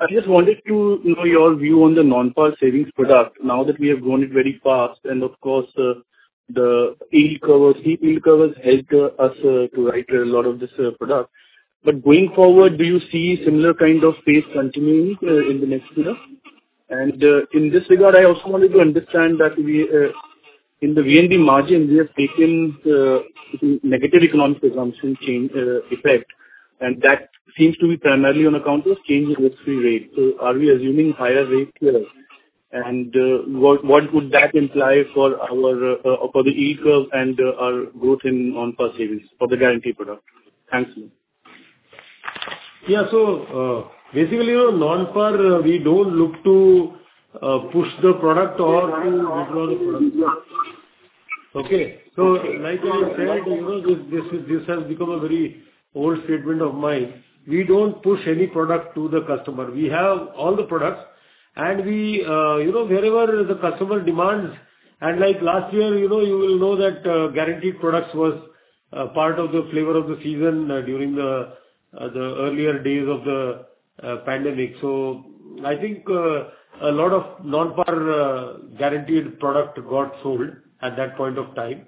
I just wanted to know your view on the non-par savings product now that we have grown it very fast, and of course, the yield covers helped us to write a lot of this product. Going forward, do you see similar kind of pace continuing in the next year? In this regard, I also wanted to understand that in the VNB margin, we have taken the negative economic assumption effect, and that seems to be primarily on account of change in risk-free rate. Are we assuming higher rates here? What would that imply for the yield curve and our growth in non-par savings for the guarantee product? Thanks. Basically, non-par, we don't look to push the product or to withdraw the product. Like I said, this has become a very old statement of mine. We don't push any product to the customer. We have all the products and wherever the customer demands. Like last year, you will know that guaranteed products was part of the flavor of the season during the earlier days of the pandemic. I think a lot of non-par guaranteed product got sold at that point of time,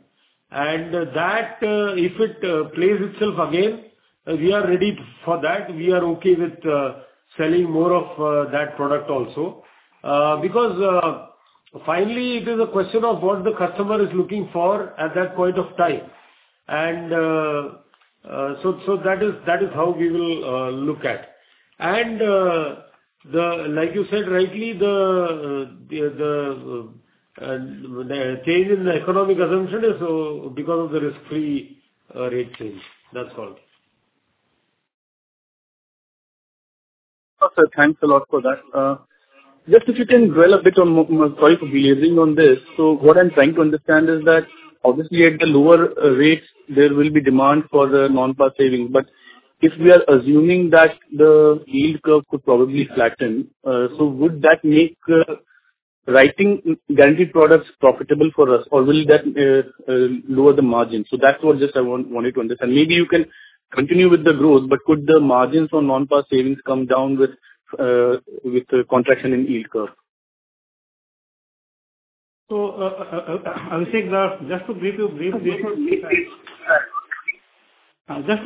and that if it plays itself again, we are ready for that. We are okay with selling more of that product also because finally, it is a question of what the customer is looking for at that point of time. That is how we will look at. Like you said rightly, the change in the economic assumption is because of the risk-free rate change. That's all. Okay. Thanks a lot for that. Just if you can dwell a bit on, sorry for belaboring on this. What I'm trying to understand is that obviously at the lower rates, there will be demand for the non-par savings. If we are assuming that the yield curve could probably flatten, would that make writing guaranteed products profitable for us or will that lower the margin? That's what just I wanted to understand. Maybe you can continue with the growth, could the margins on non-par savings come down with the contraction in yield curve? Abhishek, just to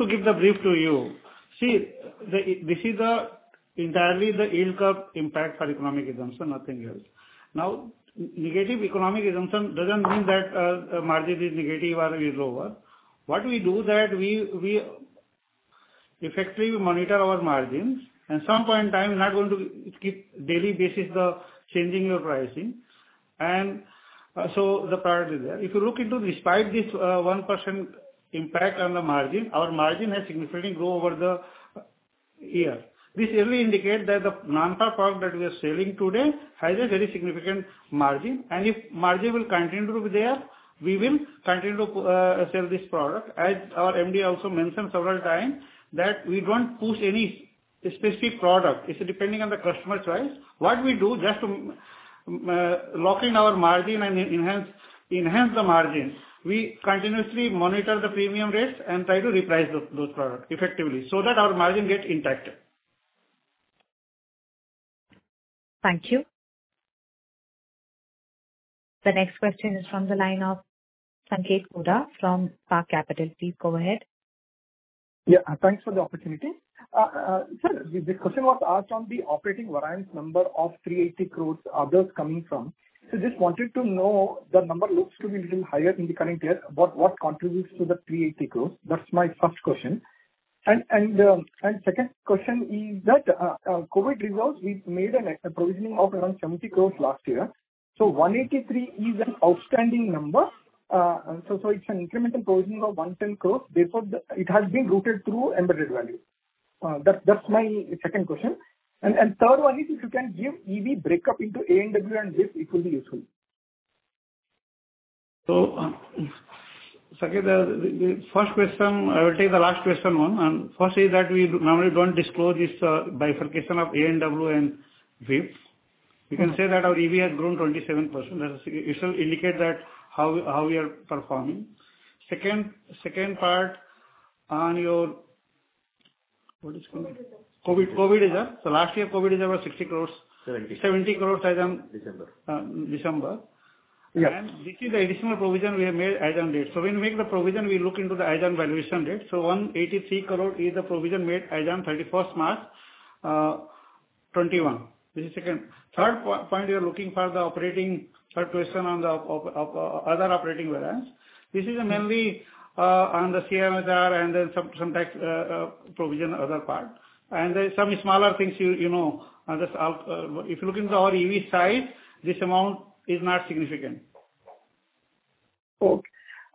give the brief to you. See, this is entirely the yield curve impact for economic assumption, nothing else. Negative economic assumption doesn't mean that margin is negative or is lower. What we do that we effectively monitor our margins, and some point in time, we're not going to keep daily basis the changing of pricing. The priority is there. If you look into despite this 1% impact on the margin, our margin has significantly grown over the year. This really indicates that the non-par product that we are selling today has a very significant margin, and if margin will continue to be there, we will continue to sell this product. As our MD also mentioned several times that we don't push any specific product. It's depending on the customer choice. What we do just to lock in our margin and enhance the margin, we continuously monitor the premium rates and try to reprice those products effectively so that our margin gets impacted. Thank you. The next question is from the line of Sanketh Godha from PAR Capital. Please go ahead. Yeah, thanks for the opportunity. Sir, this question was asked on the operating variance number of 380 crores, others coming from. Just wanted to know the number looks to be little higher in the current year, but what contributes to the INR 380 crores? That's my first question. Second question is that COVID results, we've made a provisioning of around 70 crores last year. 183 is an outstanding number. It's an incremental provisioning of 110 crores. Therefore, it has been rooted through Embedded Value. That's my second question. Third one is if you can give EV breakup into ANW and VIF, it will be useful. Sanket, I will take the last question one. First is that we normally don't disclose this bifurcation of ANW and VIF. We can say that our EV has grown 27%. It shall indicate that how we are performing. What is COVID? COVID reserve. Last year, COVID reserve was 60 crores. 70. 70 crore as on. December. December. Yes. This is the additional provision we have made as on date. When we make the provision, we look into the as on valuation date. 183 crore is the provision made as on 31st March 2021. This is second. Third point you're looking for the operating, third question on the other operating variance. This is mainly on the CRAR and then some tax provision other part. There's some smaller things you know. If you look into our EV size, this amount is not significant.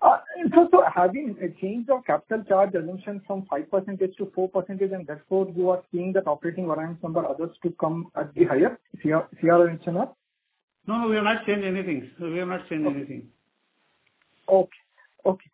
Have you changed your capital charge assumption from 5% to 4%, and therefore you are seeing that operating variance under others to come at be higher? If you have answer that. No, we have not changed anything. Okay.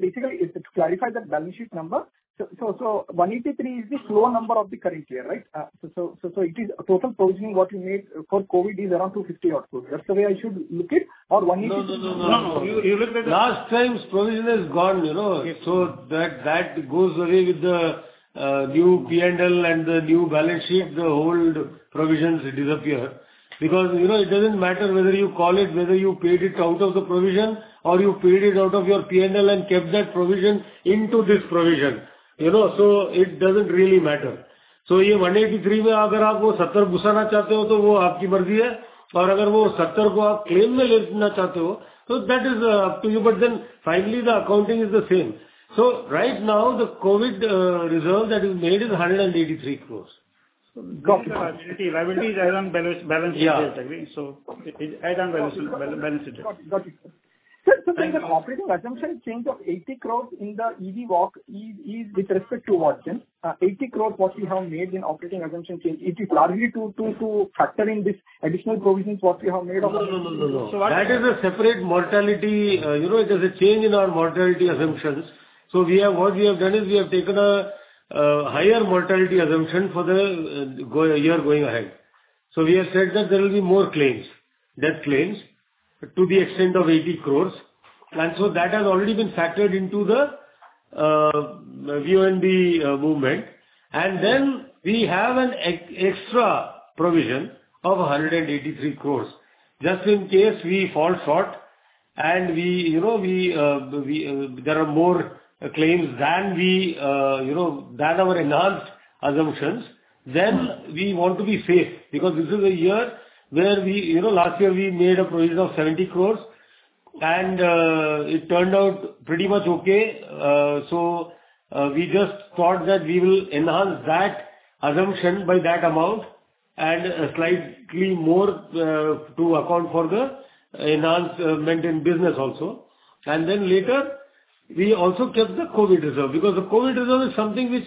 Basically, to clarify that balance sheet number. 183 is the slower number of the current year, right? It is total provisioning what you made for COVID is around 250 odd crores. That's the way I should look it or 183- No. Last time's provision is gone. That goes away with the new P&L and the new balance sheet. The old provisions disappear because it doesn't matter whether you call it, whether you paid it out of the provision or you paid it out of your P&L and kept that provision into this provision. It doesn't really matter. That is up to you, but then finally the accounting is the same. Right now, the COVID reserve that is made is 183 crores. Liability is around balance sheet, I agree. It's as on balance sheet. Got it. Sir, the operating assumption change of 80 crore in the EV Walk is with respect to what then? 80 crore what you have made in operating assumption change, it is largely to factor in this additional provisions what you have made. No. That is a separate mortality. There's a change in our mortality assumptions. What we have done is we have taken a higher mortality assumption for the year going ahead. We have said that there will be more claims, death claims, to the extent of 80 crores. That has already been factored into the VNB movement. Then we have an extra provision of 183 crores, just in case we fall short and there are more claims than our enhanced assumptions. We want to be safe, because this is a year where last year we made a provision of 70 crores and it turned out pretty much okay. We just thought that we will enhance that assumption by that amount and slightly more to account for the enhancement in business also. Later we also kept the COVID reserve, because the COVID reserve is something which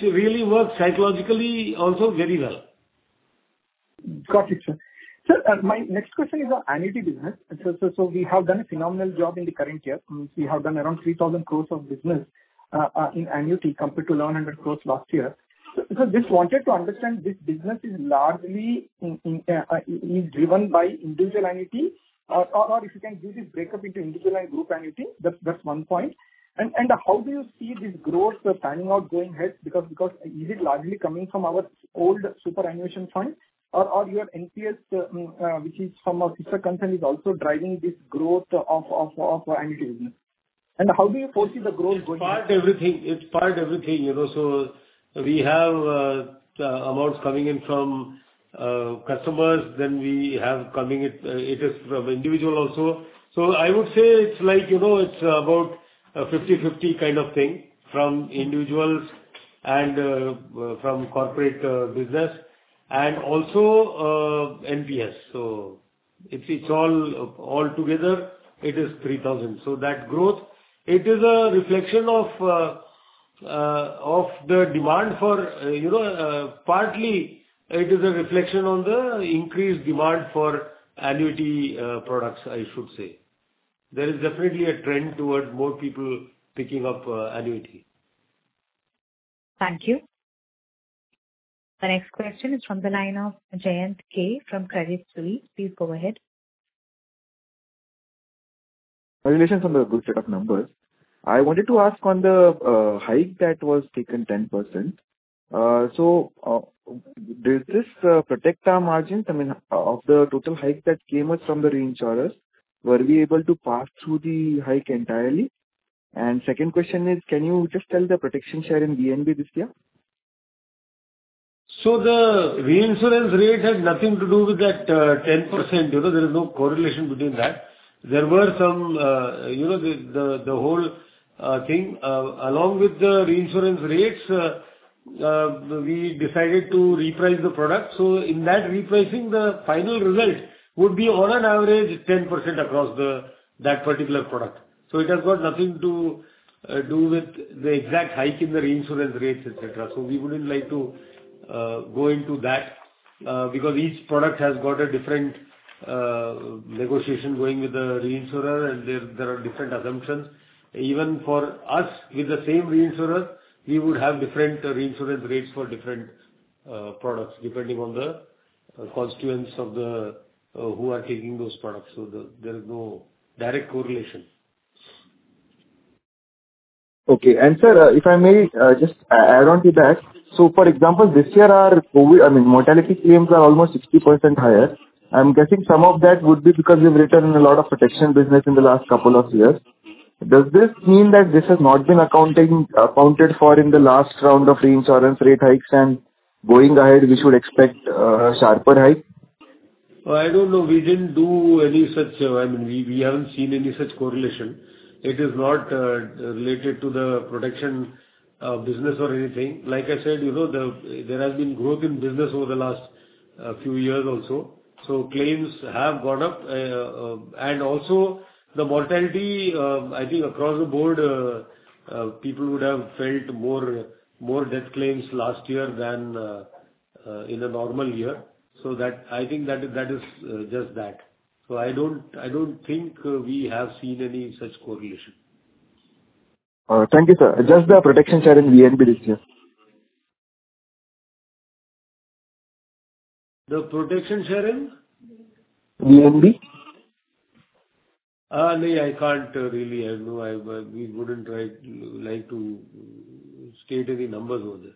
really works psychologically also very well. Got it, sir. Sir, my next question is on annuity business. We have done a phenomenal job in the current year. We have done around 3,000 crore of business in annuity compared to 100 crore last year. Sir, just wanted to understand, this business is largely driven by individual annuity? If you can give the breakup into individual and group annuity. That's one point. How do you see this growth panning out going ahead? Is it largely coming from our old superannuation fund or your NPS, which is from a sister concern, is also driving this growth of annuity business? How do you foresee the growth going ahead? It's part everything. We have amounts coming in from customers, then we have it from individual also. I would say it's about a 50/50 kind of thing from individuals and from corporate business and also NPS. It's all together, it is 3,000. That growth, it is a reflection of the demand for partly it is a reflection on the increased demand for annuity products, I should say. There is definitely a trend towards more people picking up annuity. Thank you. The next question is from the line of Jayanth K from Credit Suisse. Please go ahead. Congratulations on the good set of numbers. I wanted to ask on the hike that was taken 10%. Does this protect our margins? I mean, of the total hike that came up from the reinsurers, were we able to pass through the hike entirely? Second question is, can you just tell the protection share in VNB this year? The reinsurance rate had nothing to do with that 10%. There is no correlation between that. There were some, the whole thing. Along with the reinsurance rates, we decided to reprice the product. In that repricing, the final result would be on an average 10% across that particular product. It has got nothing to do with the exact hike in the reinsurance rates, et cetera. We wouldn't like to go into that because each product has got a different negotiation going with the reinsurer and there are different assumptions. Even for us with the same reinsurers, we would have different reinsurance rates for different products depending on the constituents of who are taking those products. There's no direct correlation. Okay. Sir, if I may just add on to that. For example, this year, our mortality claims are almost 60% higher. I'm guessing some of that would be because we've written a lot of protection business in the last couple of years. Does this mean that this has not been accounted for in the last round of reinsurance rate hikes and going ahead, we should expect a sharper hike? I don't know. We didn't do any such. I mean, we haven't seen any such correlation. It is not related to the protection business or anything. Like I said, there has been growth in business over the last few years also. Claims have gone up. Also the mortality, I think across the board, people would have felt more death claims last year than in a normal year. I think that is just that. I don't think we have seen any such correlation. Thank you, sir. Just the protection share in VNB this year. The protection share in? VNB. No, I can't really. We wouldn't like to state any numbers over there.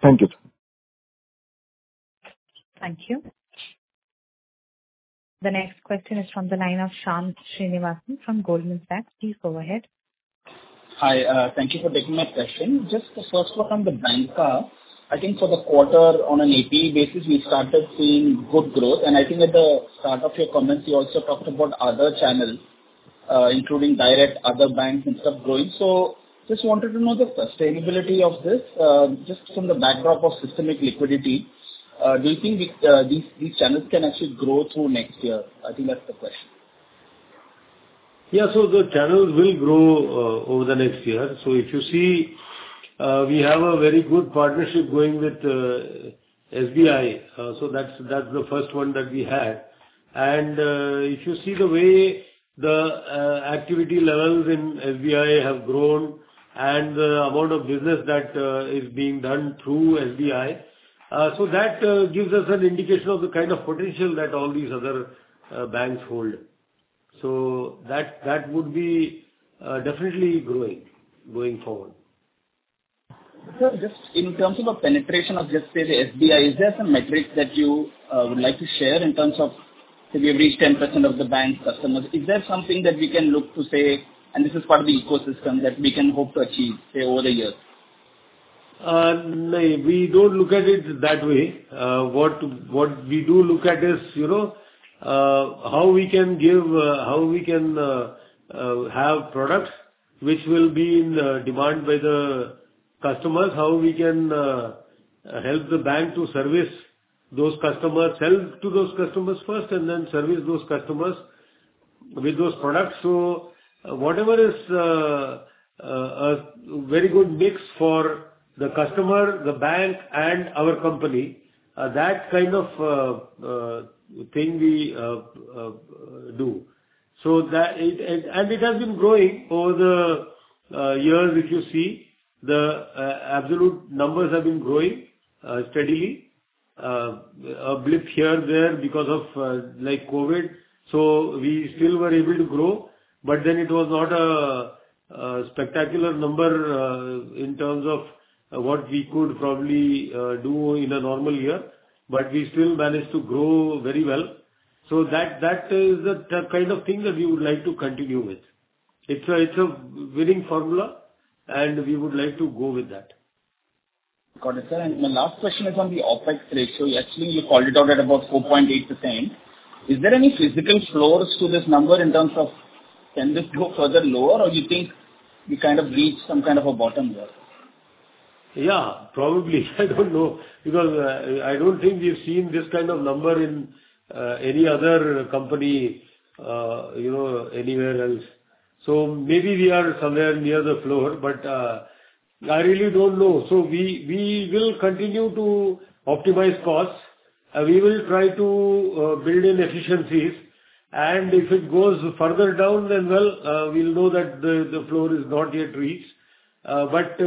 Thank you. Thank you. The next question is from the line of Santanu Sengupta from Goldman Sachs. Please go ahead. Hi. Thank you for taking my question. Just first one on the bancassurance. I think for the quarter on an APE basis, we started seeing good growth. I think at the start of your comments, you also talked about other channels including direct other banks and stuff growing. Just wanted to know the sustainability of this. Just from the backdrop of systemic liquidity, do you think these channels can actually grow through next year? I think that's the question. Yeah. The channels will grow over the next year. If you see, we have a very good partnership going with SBI. That's the first one that we had. If you see the way the activity levels in SBI have grown. And the amount of business that is being done through SBI. That gives us an indication of the kind of potential that all these other banks hold. That would be definitely growing, going forward. Sir, just in terms of penetration of just, say, the SBI, is there some metric that you would like to share in terms of, have you reached 10% of the bank customers? Is there something that we can look to, say, and this is part of the ecosystem that we can hope to achieve, say, over a year? No, we don't look at it that way. What we do look at is how we can have products which will be in demand by the customers, how we can help the bank to service those customers, sell to those customers first, and then service those customers with those products. Whatever is a very good mix for the customer, the bank, and our company, that kind of thing we do. It has been growing over the years. If you see, the absolute numbers have been growing steadily. A blip here and there because of COVID. We still were able to grow, but then it was not a spectacular number in terms of what we could probably do in a normal year. We still managed to grow very well. That is the kind of thing that we would like to continue with. It's a winning formula, and we would like to go with that. Got it, sir. My last question is on the OpEx ratio. Actually, you called it out at about 4.8 to 10. Is there any physical floors to this number in terms of can this go further lower or you think we kind of reached some kind of a bottom there? Probably. I don't know, because I don't think we've seen this kind of number in any other company anywhere else. Maybe we are somewhere near the floor, but I really don't know. We will continue to optimize costs. We will try to build in efficiencies, and if it goes further down, then well, we'll know that the floor is not yet reached. What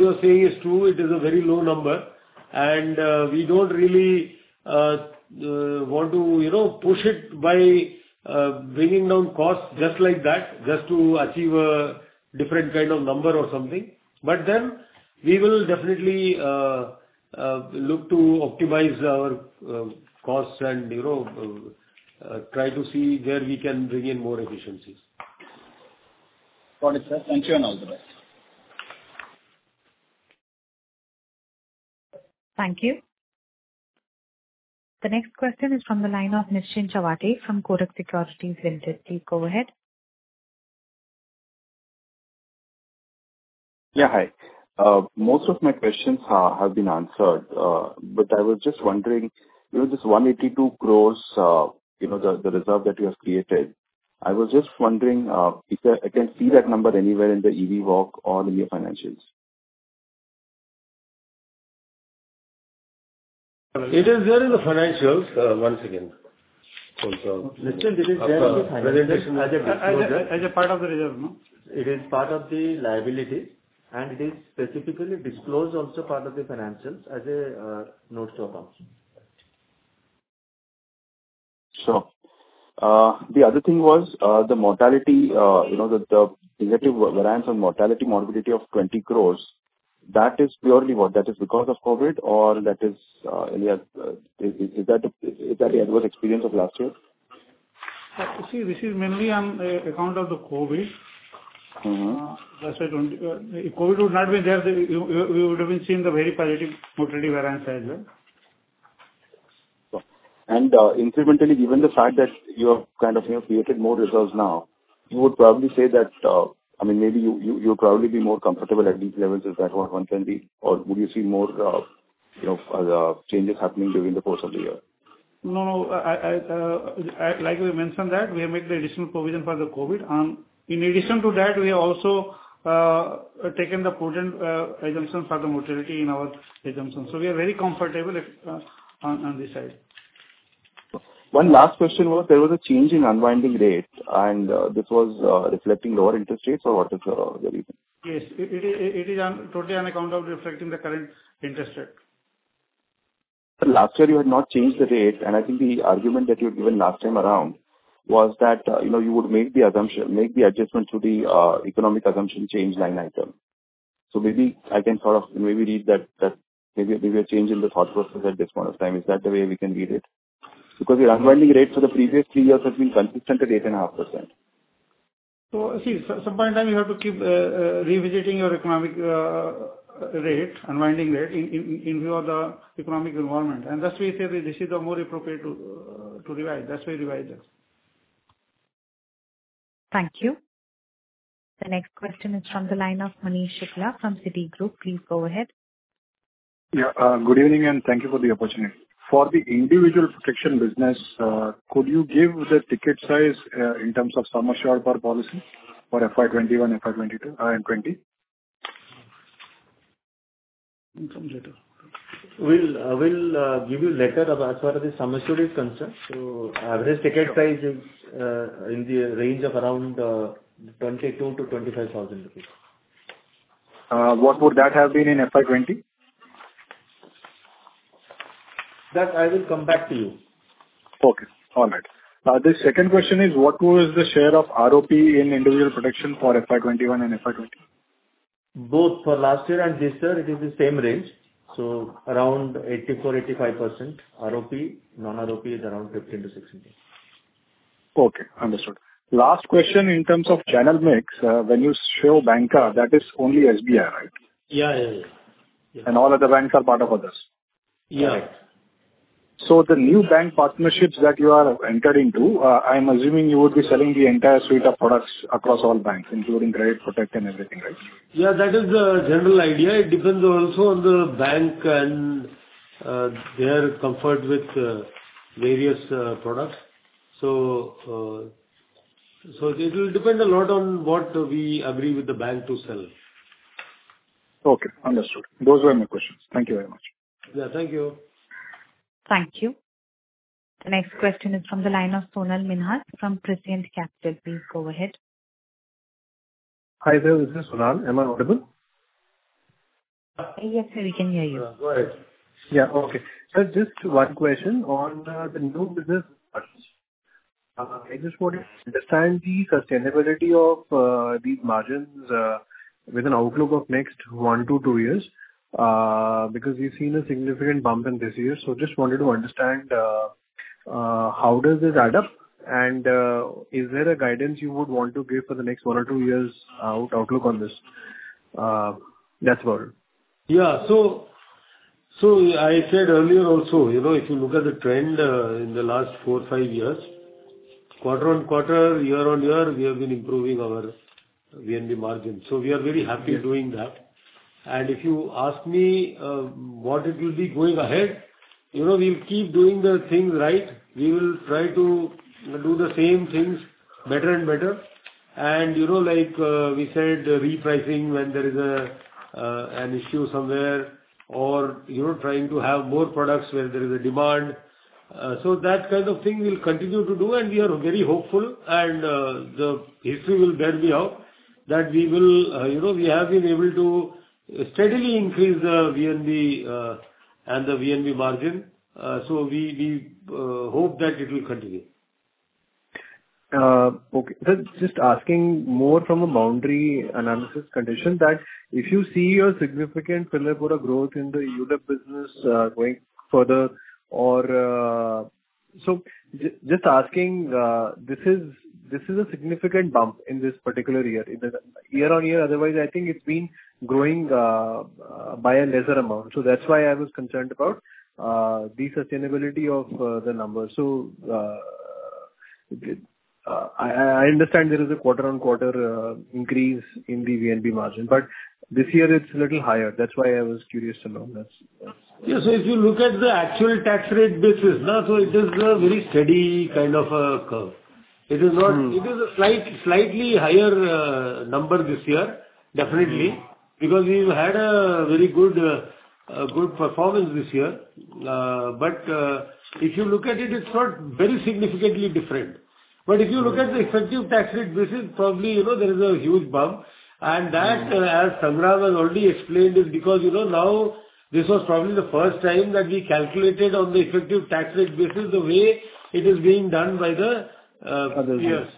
you're saying is true. It is a very low number, and we don't really want to push it by bringing down costs just like that, just to achieve a different kind of number or something. We will definitely look to optimize our costs and try to see where we can bring in more efficiencies. Got it, sir. Thank you, and all the best. Thank you. The next question is from the line of Nischint Chawathe from Kotak Securities Limited. Please go ahead. Yeah, hi. Most of my questions have been answered. I was just wondering, this 182 crores, the reserve that you have created, I was just wondering if I can see that number anywhere in the EV Work or in your financials. It is there in the financials. One second. Nischint, it is there in the financials as a disclosure. As a part of the reserve no. It is part of the liability, and it is specifically disclosed also part of the financials as a note to accounts. Sure. The other thing was the mortality, the negative variance on mortality morbidity of 20 crores. That is purely what? That is because of COVID, or is that the adverse experience of last year? You see, this is mainly on account of the COVID. If COVID would not been there, we would have been seeing the very positive mortality variance as well. Incrementally, given the fact that you have kind of created more reserves now, you would probably say that, maybe you'll probably be more comfortable at these levels, is that what one can be? Do you see more changes happening during the course of the year? No. Like we mentioned that we have made the additional provision for the COVID. In addition to that, we have also taken the prudent assumption for the mortality in our assumption. We are very comfortable on this side. One last question was there was a change in unwinding rate, and this was reflecting lower interest rates or what is the reason? Yes. It is totally on account of reflecting the current interest rate. Last year you had not changed the rate, and I think the argument that you had given last time around was that you would make the adjustment to the economic assumption change line item. Maybe I can sort of maybe read that maybe a change in the thought process at this point of time. Is that the way we can read it? Your unwinding rate for the previous three years has been consistent at 8.5%. See, some point in time, you have to keep revisiting your economic unwinding rate in view of the economic environment. That's why we say that this is more appropriate to revise. That's why we revised this. Thank you. The next question is from the line of Manish Shukla from Citigroup. Please go ahead. Yeah. Good evening, and thank you for the opportunity. For the individual protection business, could you give the ticket size in terms of sum assured per policy for FY 2021, FY 2022, and FY 2020? Incomes data. We'll give you later as far as the summary is concerned. Average ticket size is in the range of around 22,000-25,000 rupees. What would that have been in FY 2020? That I will come back to you. Okay. All right. The second question is, what was the share of ROP in individual protection for FY 2021 and FY 2020? Both for last year and this year it is the same range, so around 84%-85% ROP. Non-ROP is around 15%-16%. Okay, understood. Last question in terms of channel mix. When you show banca, that is only SBI, right? Yeah. All other banks are part of others? Yeah. The new bank partnerships that you are entering into, I'm assuming you would be selling the entire suite of products across all banks, including credit protect and everything, right? Yeah, that is the general idea. It depends also on the bank and their comfort with various products. It will depend a lot on what we agree with the bank to sell. Okay, understood. Those were my questions. Thank you very much. Yeah. Thank you. Thank you. The next question is from the line of Sonal Minhas from Prescient Capital. Please go ahead. Hi there. This is Sonal. Am I audible? Yes, sir. We can hear you. Go ahead. Yeah. Okay. Sir, just one question on the new business. I just want to understand the sustainability of these margins with an outlook of next one to two years. We've seen a significant bump in this year. Just wanted to understand how does this add up and is there a guidance you would want to give for the next one or two years out outlook on this? That's about it. Yeah. I said earlier also, if you look at the trend in the last four or five years, quarter-on-quarter, year-on-year, we have been improving our VNB margin. We are very happy doing that. If you ask me what it will be going ahead, we'll keep doing the things right. We will try to do the same things better and better. Like we said, repricing when there is an issue somewhere or trying to have more products where there is a demand. That kind of thing we'll continue to do. We are very hopeful and the history will bear me out that we have been able to steadily increase VNB and the VNB margin. We hope that it will continue. Okay. Sir, just asking more from a boundary analysis condition that if you see a significant pillar for a growth in the unit business going further. Just asking, this is a significant bump in this particular year-over-year. Otherwise, I think it's been growing by a lesser amount. That's why I was concerned about the sustainability of the numbers. I understand there is a quarter-over-quarter increase in the VNB margin, but this year it's a little higher. That's why I was curious to know this. Yeah. If you look at the actual tax rate basis now, it is a very steady kind of a curve. It is a slightly higher number this year, definitely. We've had a very good performance this year. If you look at it's not very significantly different. If you look at the effective tax rate basis, probably there is a huge bump. That, as Sangra has already explained, is because now this was probably the first time that we calculated on the effective tax rate basis the way it is being done by the peers.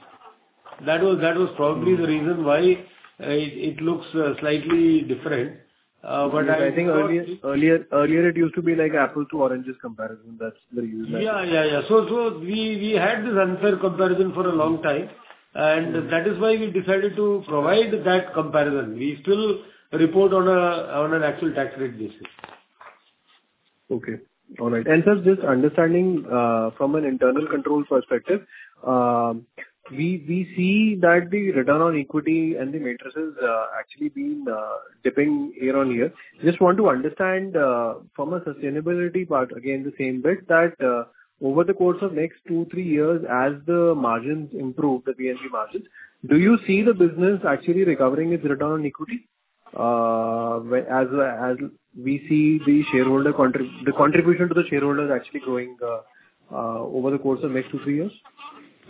That was probably the reason why it looks slightly different. Okay. I think earlier it used to be like apples to oranges comparison. That's the reason. Yeah. We had this unfair comparison for a long time, and that is why we decided to provide that comparison. We still report on an actual tax rate basis. Okay. All right. Sir, just understanding from an internal control perspective, we see that the return on equity and the matrices actually been dipping year-on-year. Just want to understand from a sustainability part, again, the same bit that over the course of next two, three years as the margins improve, the VNB margins, do you see the business actually recovering its return on equity as we see the contribution to the shareholder is actually growing over the course of next two, three years?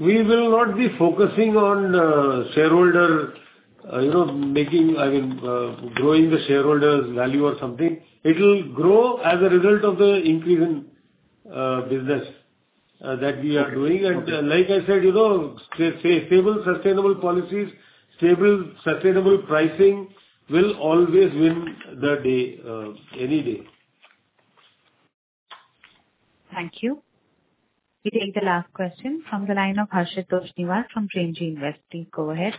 We will not be focusing on growing the shareholder's value or something. It will grow as a result of the increase in business that we are doing. Okay. Like I said, stable, sustainable policies, stable, sustainable pricing will always win the day any day. Thank you. We take the last question from the line of Harshit Toshniwal from Premji Invest. Please go ahead.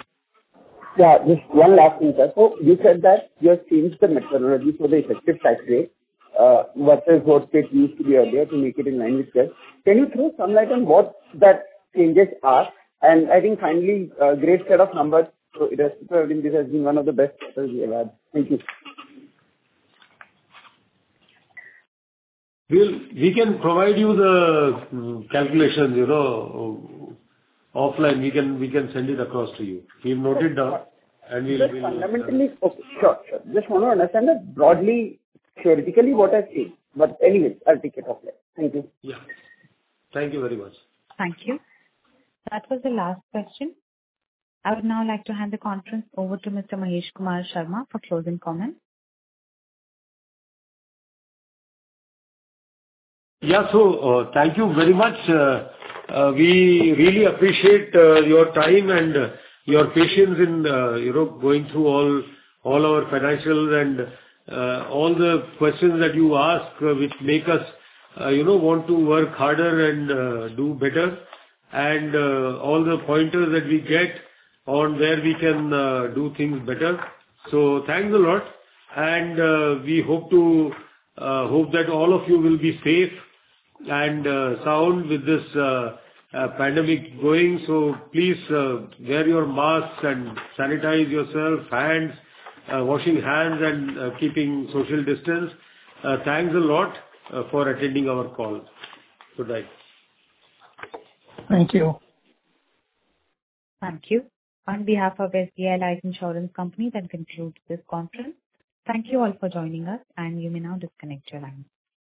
Yeah, just one last thing, sir. You said that you have changed the methodology for the effective tax rate versus what it used to be earlier to make it in line with others. Can you throw some light on what that changes are? I think finally, great set of numbers. It has to grow. I think this has been one of the best quarters we've had. Thank you. We can provide you the calculation offline. We can send it across to you. We've noted down. Okay, sure. Just want to understand that broadly, theoretically, what has changed. Anyways, I'll take it offline. Thank you. Yeah. Thank you very much. Thank you. That was the last question. I would now like to hand the conference over to Mr. Mahesh Kumar Sharma for closing comments. Thank you very much. We really appreciate your time and your patience in going through all our financials and all the questions that you ask, which make us want to work harder and do better, and all the pointers that we get on where we can do things better. Thanks a lot, and we hope that all of you will be safe and sound with this pandemic going. Please wear your masks and sanitize yourself, hands, washing hands and keeping social distance. Thanks a lot for attending our call. Good night. Thank you. Thank you. On behalf of SBI Life Insurance Company, that concludes this conference. Thank you all for joining us and you may now disconnect your lines.